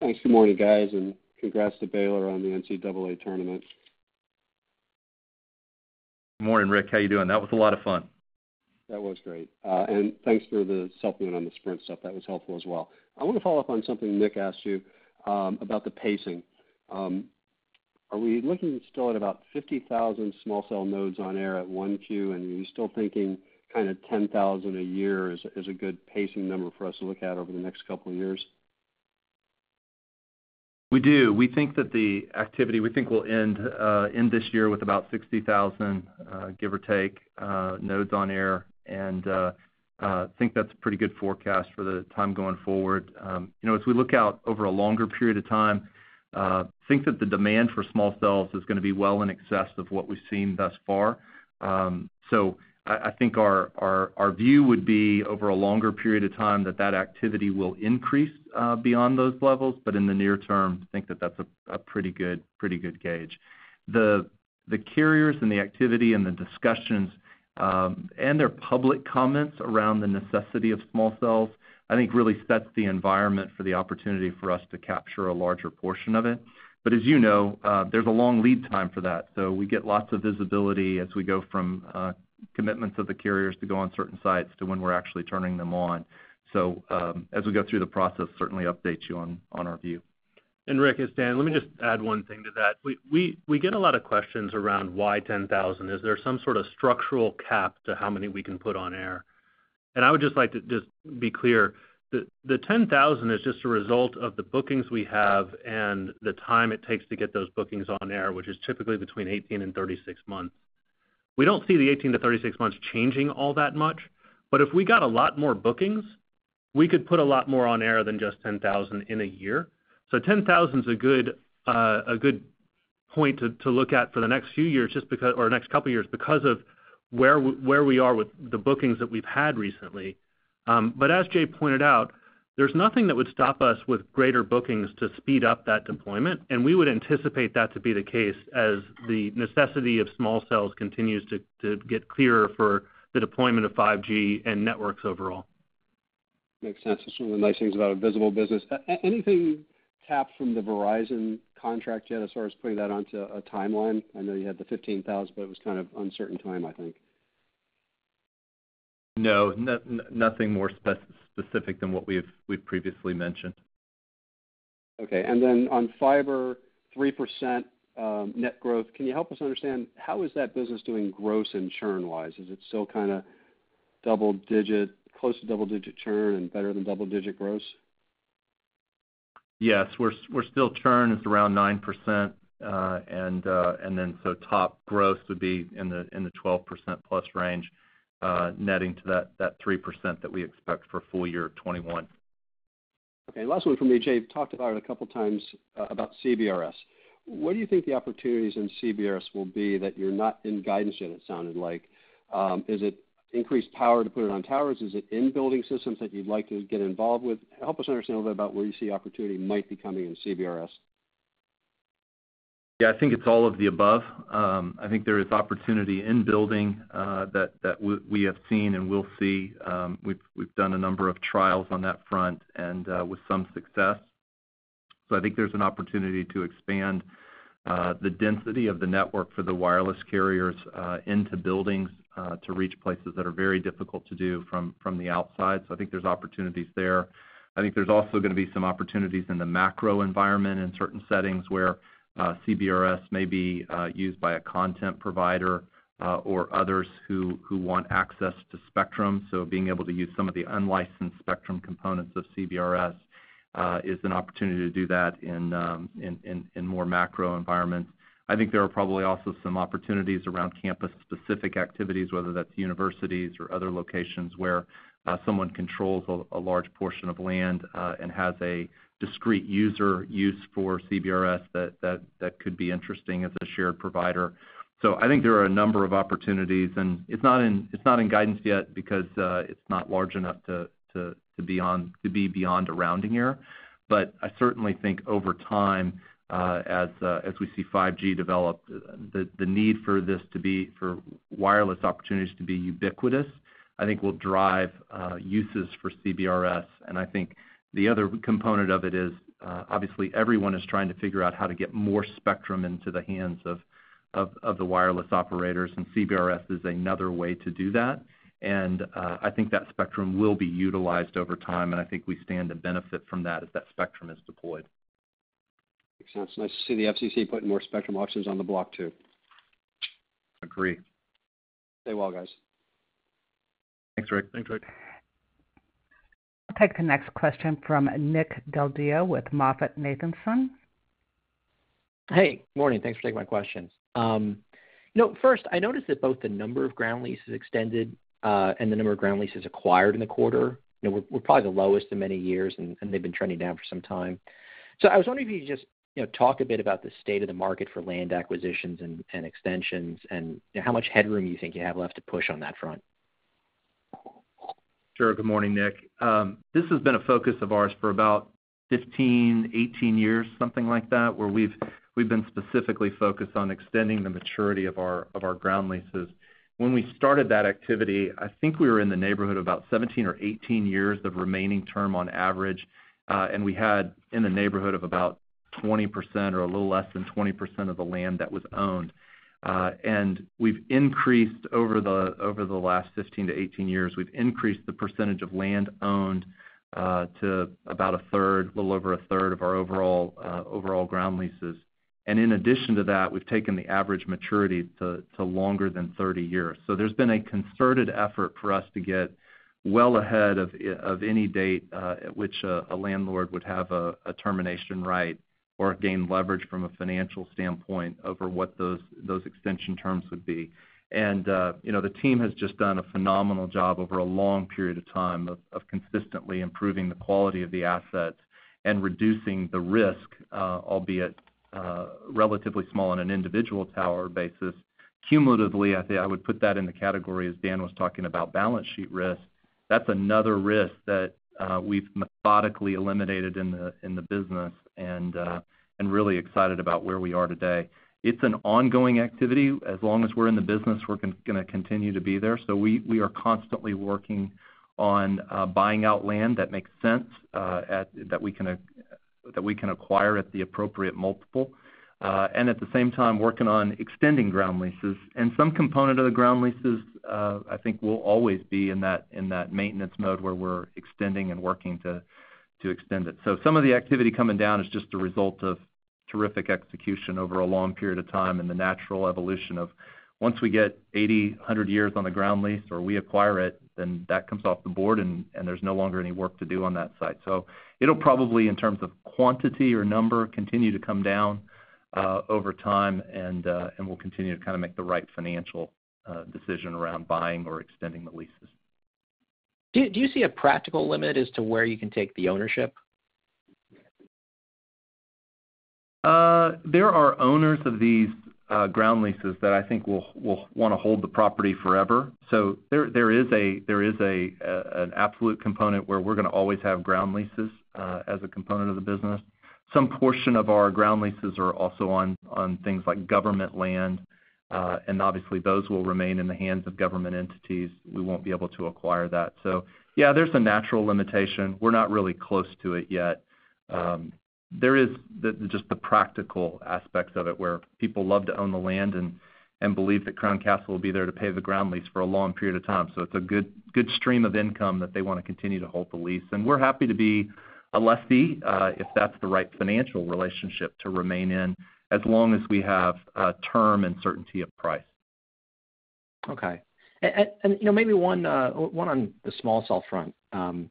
Thanks. Good morning, guys, and congrats to Baylor on the NCAA tournament. Morning, Ric. How you doing? That was a lot of fun. That was great. Thanks for the supplement on the Sprint stuff. That was helpful as well. I want to follow up on something Nick asked you about the pacing. Are we looking still at about 50,000 small cell nodes on air at 1Q, and are you still thinking 10,000 a year is a good pacing number for us to look at over the next couple of years? We do. We think we'll end this year with about 60,000, give or take, nodes on air, and think that's a pretty good forecast for the time going forward. As we look out over a longer period of time, think that the demand for small cells is going to be well in excess of what we've seen thus far. I think our view would be over a longer period of time that that activity will increase beyond those levels. In the near term, think that that's a pretty good gauge. The carriers and the activity and the discussions, and their public comments around the necessity of small cells, I think really sets the environment for the opportunity for us to capture a larger portion of it. As you know, there's a long lead time for that. We get lots of visibility as we go from commitments of the carriers to go on certain sites to when we're actually turning them on. As we go through the process, certainly update you on our view. Ric, it's Dan. Let me just add one thing to that. We get a lot of questions around why 10,000. Is there some sort of structural cap to how many we can put on air? I would just like to just be clear, the 10,000 is just a result of the bookings we have and the time it takes to get those bookings on air, which is typically between 18 and 36 months. We don't see the 18-36 months changing all that much, but if we got a lot more bookings, we could put a lot more on air than just 10,000 in a year. 10,000's a good point to look at for the next couple of years because of where we are with the bookings that we've had recently. As Jay pointed out, there's nothing that would stop us with greater bookings to speed up that deployment, and we would anticipate that to be the case as the necessity of small cells continues to get clearer for the deployment of 5G and networks overall. Makes sense. That's one of the nice things about a visible business. Anything tapped from the Verizon contract yet as far as putting that onto a timeline? I know you had the 15,000, but it was kind of uncertain time, I think. No. Nothing more specific than what we've previously mentioned. Okay. Then on Fiber, 3% net growth. Can you help us understand how is that business doing gross and churn-wise? Is it still close to double-digit churn and better than double-digit gross? Yes. We're still churn is around 9%, and then so top growth would be in the 12%+ range, netting to that 3% that we expect for full year 2021. Okay. Last one from me. Jay, you've talked about it a couple times about CBRS. What do you think the opportunities in CBRS will be that you're not in guidance yet, it sounded like. Is it increased power to put it on towers? Is it in-building systems that you'd like to get involved with? Help us understand a little bit about where you see opportunity might be coming in CBRS. Yeah. I think it's all of the above. I think there is opportunity in building that we have seen and will see. We've done a number of trials on that front and with some success. I think there's an opportunity to expand the density of the network for the wireless carriers into buildings to reach places that are very difficult to do from the outside. I think there's opportunities there. I think there's also going to be some opportunities in the macro environment, in certain settings where CBRS may be used by a content provider or others who want access to spectrum. Being able to use some of the unlicensed spectrum components of CBRS is an opportunity to do that in more macro environments. I think there are probably also some opportunities around campus-specific activities, whether that's universities or other locations where someone controls a large portion of land and has a discrete user use for CBRS that could be interesting as a shared provider. I think there are a number of opportunities, and it's not in guidance yet because it's not large enough to be beyond a rounding error. I certainly think over time, as we see 5G develop, the need for wireless opportunities to be ubiquitous, I think, will drive uses for CBRS. I think the other component of it is obviously everyone is trying to figure out how to get more spectrum into the hands of the wireless operators, and CBRS is another way to do that. I think that spectrum will be utilized over time, and I think we stand to benefit from that as that spectrum is deployed. Makes sense. Nice to see the FCC putting more spectrum options on the block, too. Agree. Stay well, guys. Thanks, Ric. Thanks, Ric. I'll take the next question from Nick Del Deo with MoffettNathanson. Hey, morning. Thanks for taking my questions. I noticed that both the number of ground leases extended and the number of ground leases acquired in the quarter, were probably the lowest in many years, and they've been trending down for some time. I was wondering if you could just talk a bit about the state of the market for land acquisitions and extensions, and how much headroom you think you have left to push on that front. Sure. Good morning, Nick. This has been a focus of ours for about 15-18 years, something like that, where we've been specifically focused on extending the maturity of our ground leases. When we started that activity, I think we were in the neighborhood about 17 or 18 years of remaining term on average. We had in the neighborhood of about 20%, or a little less than 20% of the land that was owned. We've increased over the last 15-18 years, we've increased the percentage of land owned to about a third, a little over a third of our overall ground leases. In addition to that, we've taken the average maturity to longer than 30 years. There's been a concerted effort for us to get well ahead of any date at which a landlord would have a termination right or gain leverage from a financial standpoint over what those extension terms would be. The team has just done a phenomenal job over a long period of time of consistently improving the quality of the assets and reducing the risk, albeit relatively small on an individual tower basis. Cumulatively, I would put that in the category, as Dan was talking about, balance sheet risk. That's another risk that we've methodically eliminated in the business, and really excited about where we are today. It's an ongoing activity. As long as we're in the business, we're going to continue to be there. We are constantly working on buying out land that makes sense, that we can acquire at the appropriate multiple. At the same time, working on extending ground leases. Some component of the ground leases, I think will always be in that maintenance mode where we're extending and working to extend it. Some of the activity coming down is just a result of terrific execution over a long period of time and the natural evolution of once we get 80, 100 years on the ground lease or we acquire it, then that comes off the board and there's no longer any work to do on that site. It'll probably, in terms of quantity or number, continue to come down over time, and we'll continue to make the right financial decision around buying or extending the leases. Do you see a practical limit as to where you can take the ownership? There are owners of these ground leases that I think will want to hold the property forever. There is an absolute component where we're going to always have ground leases as a component of the business. Some portion of our ground leases are also on things like government land, and obviously, those will remain in the hands of government entities. We won't be able to acquire that. Yeah, there's a natural limitation. We're not really close to it yet. There is just the practical aspects of it, where people love to own the land and believe that Crown Castle will be there to pay the ground lease for a long period of time. It's a good stream of income that they want to continue to hold the lease. We're happy to be a lessee, if that's the right financial relationship to remain in, as long as we have term and certainty of price. Okay. Maybe one on the small cell front. I'm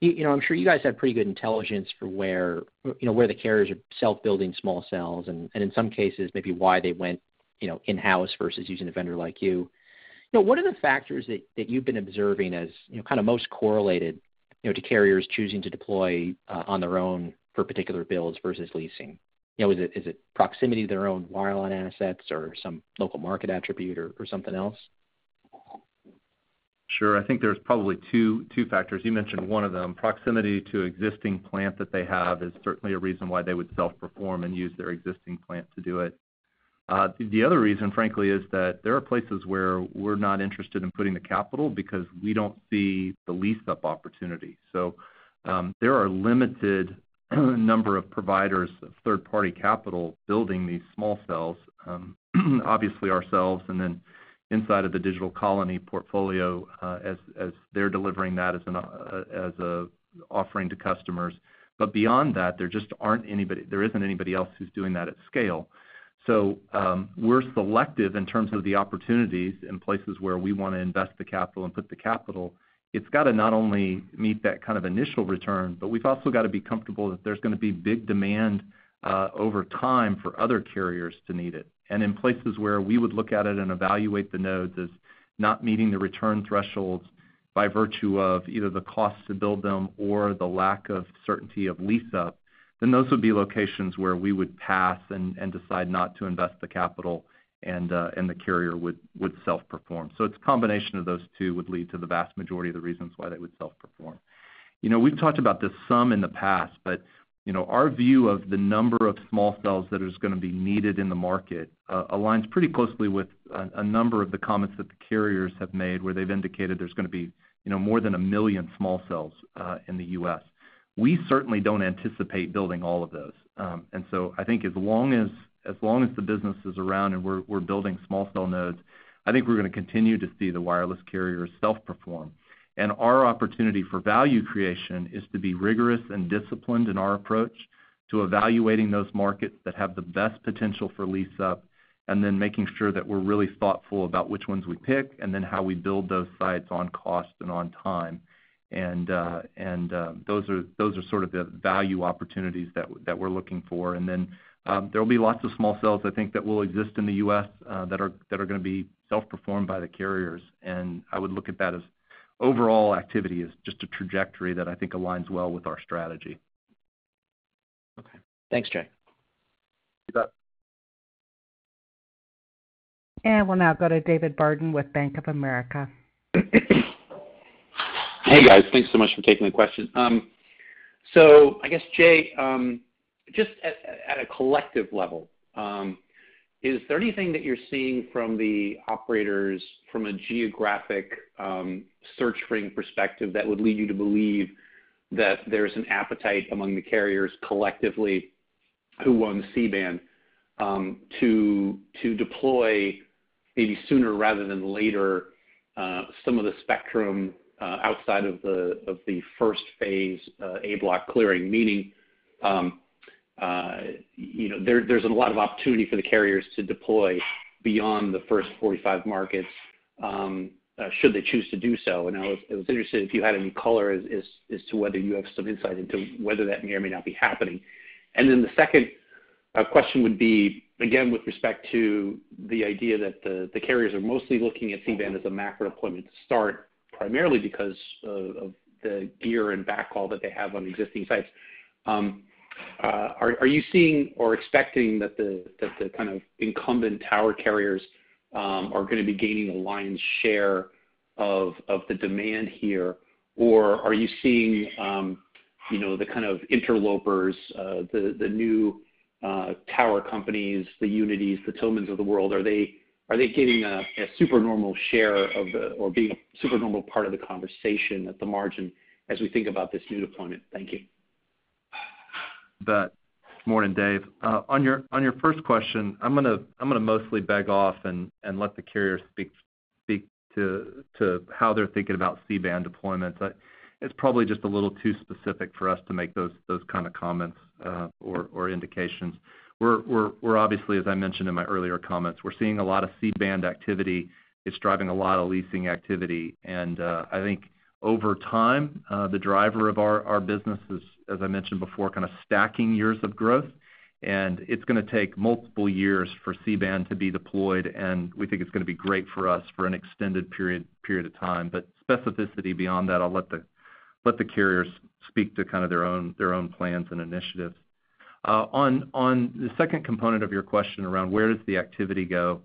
sure you guys have pretty good intelligence for where the carriers are self-building small cells, and in some cases, maybe why they went in-house versus using a vendor like you. What are the factors that you've been observing as kind of most correlated to carriers choosing to deploy on their own for particular builds versus leasing? Is it proximity to their own wireline assets or some local market attribute or something else? Sure. I think there's probably two factors. You mentioned one of them, proximity to existing plant that they have is certainly a reason why they would self-perform and use their existing plant to do it. The other reason, frankly, is that there are places where we're not interested in putting the capital because we don't see the lease-up opportunity. There are a limited number of providers of third-party capital building these small cells, obviously ourselves, and then inside of the Digital Colony portfolio, as they're delivering that as an offering to customers. Beyond that, there just isn't anybody else who's doing that at scale. We're selective in terms of the opportunities in places where we want to invest the capital and put the capital. It's got to not only meet that kind of initial return, but we've also got to be comfortable that there's going to be big demand over time for other carriers to need it. In places where we would look at it and evaluate the nodes as not meeting the return thresholds by virtue of either the cost to build them or the lack of certainty of lease-up, then those would be locations where we would pass and decide not to invest the capital and the carrier would self-perform. It's a combination of those two would lead to the vast majority of the reasons why they would self-perform. We've talked about this some in the past, but our view of the number of small cells that is going to be needed in the market aligns pretty closely with a number of the comments that the carriers have made, where they've indicated there's going to be more than 1 million small cells in the U.S. We certainly don't anticipate building all of those. I think as long as the business is around and we're building small cell nodes, I think we're going to continue to see the wireless carriers self-perform. Our opportunity for value creation is to be rigorous and disciplined in our approach to evaluating those markets that have the best potential for lease-up, and then making sure that we're really thoughtful about which ones we pick and then how we build those sites on cost and on time. Those are sort of the value opportunities that we're looking for. Then there will be lots of small cells, I think, that will exist in the U.S. that are going to be self-performed by the carriers. I would look at that as overall activity as just a trajectory that I think aligns well with our strategy. Okay. Thanks, Jay. You bet. We'll now go to David Barden with Bank of America. Hey, guys. Thanks so much for taking the question. I guess, Jay, just at a collective level, is there anything that you're seeing from the operators from a geographic search frame perspective that would lead you to believe that there's an appetite among the carriers collectively who own C-band to deploy maybe sooner rather than later, some of the spectrum outside of the first phase A block clearing, meaning there's a lot of opportunity for the carriers to deploy beyond the first 45 markets, should they choose to do so. I was interested if you had any color as to whether you have some insight into whether that may or may not be happening. The second question would be, again, with respect to the idea that the carriers are mostly looking at C-band as a macro deployment to start primarily because of the gear and backhaul that they have on existing sites. Are you seeing or expecting that the kind of incumbent tower carriers are going to be gaining a lion's share of the demand here? Or are you seeing the kind of interlopers, the new tower companies, the Unitis, the Tillmans of the world? Are they getting a supernormal share of the, or being a supernormal part of the conversation at the margin as we think about this new deployment? Thank you. You bet. Morning, Dave. On your first question, I'm going to mostly beg off and let the carrier speak to how they're thinking about C-band deployments. It's probably just a little too specific for us to make those kind of comments or indications. We're obviously, as I mentioned in my earlier comments, we're seeing a lot of C-band activity. It's driving a lot of leasing activity. I think over time, the driver of our business is, as I mentioned before, kind of stacking years of growth, and it's going to take multiple years for C-band to be deployed, and we think it's going to be great for us for an extended period of time. Specificity beyond that, I'll let the carriers speak to kind of their own plans and initiatives. On the second component of your question around where does the activity go,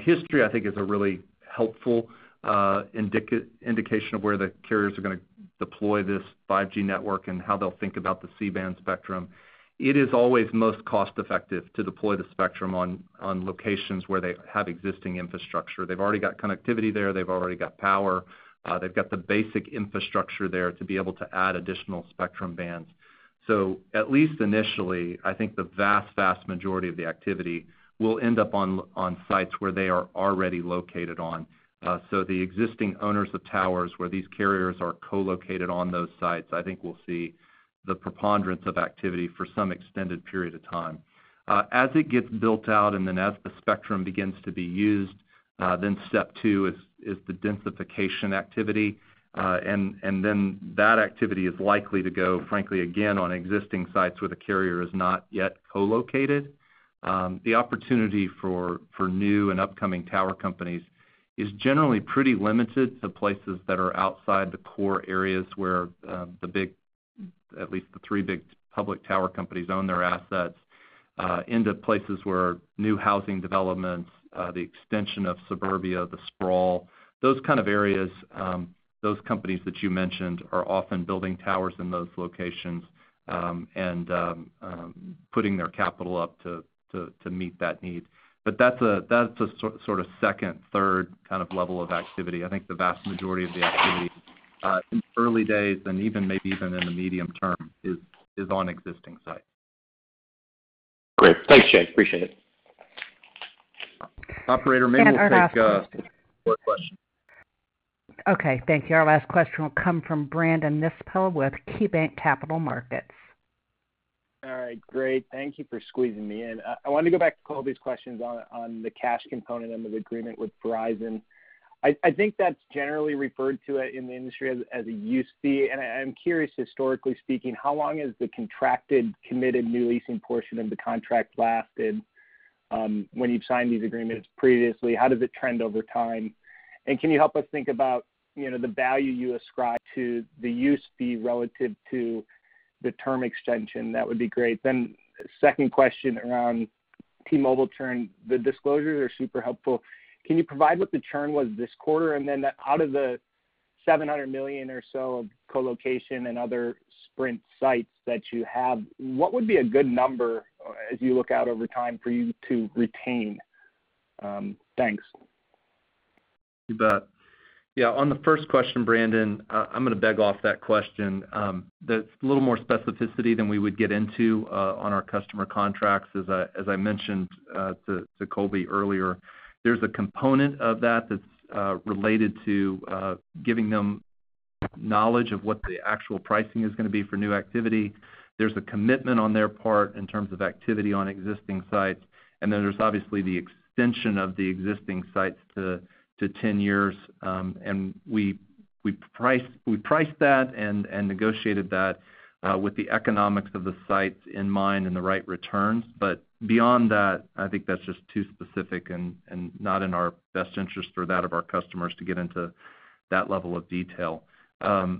history I think is a really helpful indication of where the carriers are going to deploy this 5G network and how they'll think about the C-band spectrum. It is always most cost-effective to deploy the spectrum on locations where they have existing infrastructure. They've already got connectivity there. They've already got power. They've got the basic infrastructure there to be able to add additional spectrum bands. At least initially, I think the vast majority of the activity will end up on sites where they are already located on. The existing owners of towers where these carriers are co-located on those sites, I think we'll see the preponderance of activity for some extended period of time. As it gets built out and then as the spectrum begins to be used, then step two is the densification activity. That activity is likely to go, frankly, again on existing sites where the carrier is not yet co-located. The opportunity for new and upcoming tower companies is generally pretty limited to places that are outside the core areas at least the three big public tower companies own their assets into places where new housing developments, the extension of suburbia, the sprawl, those kind of areas. Those companies that you mentioned are often building towers in those locations and putting their capital up to meet that need. That's a sort of second, third kind of level of activity. I think the vast majority of the activity in early days and even maybe even in the medium term is on existing sites. Great. Thanks, Jay. Appreciate it. Operator, maybe we'll. Our last question one more question. Okay, thank you. Our last question will come from Brandon Nispel with KeyBanc Capital Markets. All right, great. Thank you for squeezing me in. I wanted to go back to Colby's questions on the cash component of the agreement with Verizon. I think that's generally referred to in the industry as a use fee. I'm curious, historically speaking, how long has the contracted, committed new leasing portion of the contract lasted? When you've signed these agreements previously, how does it trend over time? Can you help us think about the value you ascribe to the use fee relative to the term extension? That would be great. Second question around T-Mobile churn. The disclosures are super helpful. Can you provide what the churn was this quarter? Out of the $700 million or so of co-location and other Sprint sites that you have, what would be a good number as you look out over time for you to retain? Thanks. You bet. Yeah. On the first question, Brandon, I am going to beg off that question. That's a little more specificity than we would get into on our customer contracts. As I mentioned to Colby earlier, there's a component of that that's related to giving them knowledge of what the actual pricing is going to be for new activity. There's a commitment on their part in terms of activity on existing sites. Then there's obviously the extension of the existing sites to 10 years. We priced that and negotiated that with the economics of the sites in mind and the right returns. Beyond that, I think that's just too specific and not in our best interest or that of our customers to get into that level of detail. On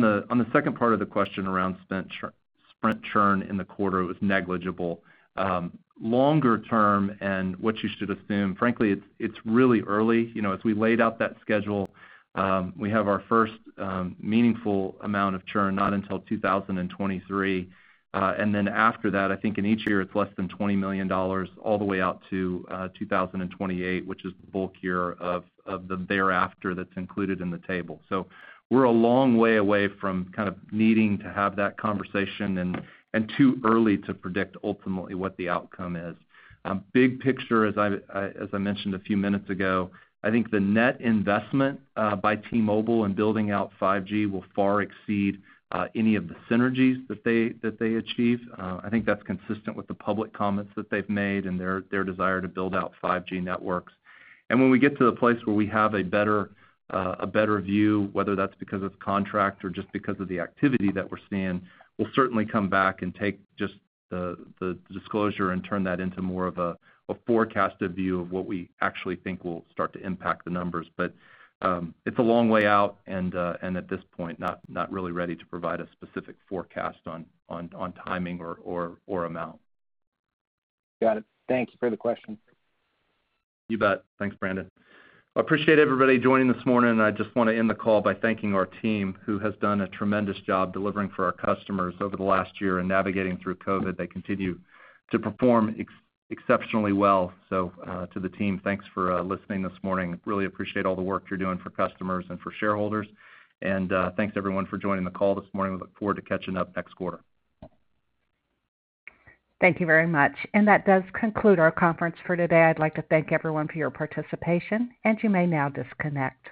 the second part of the question around Sprint churn in the quarter, it was negligible. Longer term, what you should assume, frankly, it's really early. As we laid out that schedule, we have our first meaningful amount of churn not until 2023. Then after that, I think in each year, it's less than $20 million all the way out to 2028, which is the bulk here of the thereafter that's included in the table. We're a long way away from kind of needing to have that conversation and too early to predict ultimately what the outcome is. Big picture, as I mentioned a few minutes ago, I think the net investment by T-Mobile in building out 5G will far exceed any of the synergies that they achieve. I think that's consistent with the public comments that they've made and their desire to build out 5G networks. When we get to the place where we have a better view, whether that's because of contract or just because of the activity that we're seeing, we'll certainly come back and take just the disclosure and turn that into more of a forecasted view of what we actually think will start to impact the numbers. It's a long way out, and at this point, not really ready to provide a specific forecast on timing or amount. Got it. Thank you for the question. You bet. Thanks, Brandon. I appreciate everybody joining this morning, and I just want to end the call by thanking our team who has done a tremendous job delivering for our customers over the last year and navigating through COVID. They continue to perform exceptionally well. To the team, thanks for listening this morning. Really appreciate all the work you're doing for customers and for shareholders. Thanks everyone for joining the call this morning. We look forward to catching up next quarter. Thank you very much. That does conclude our conference for today. I'd like to thank everyone for your participation, and you may now disconnect.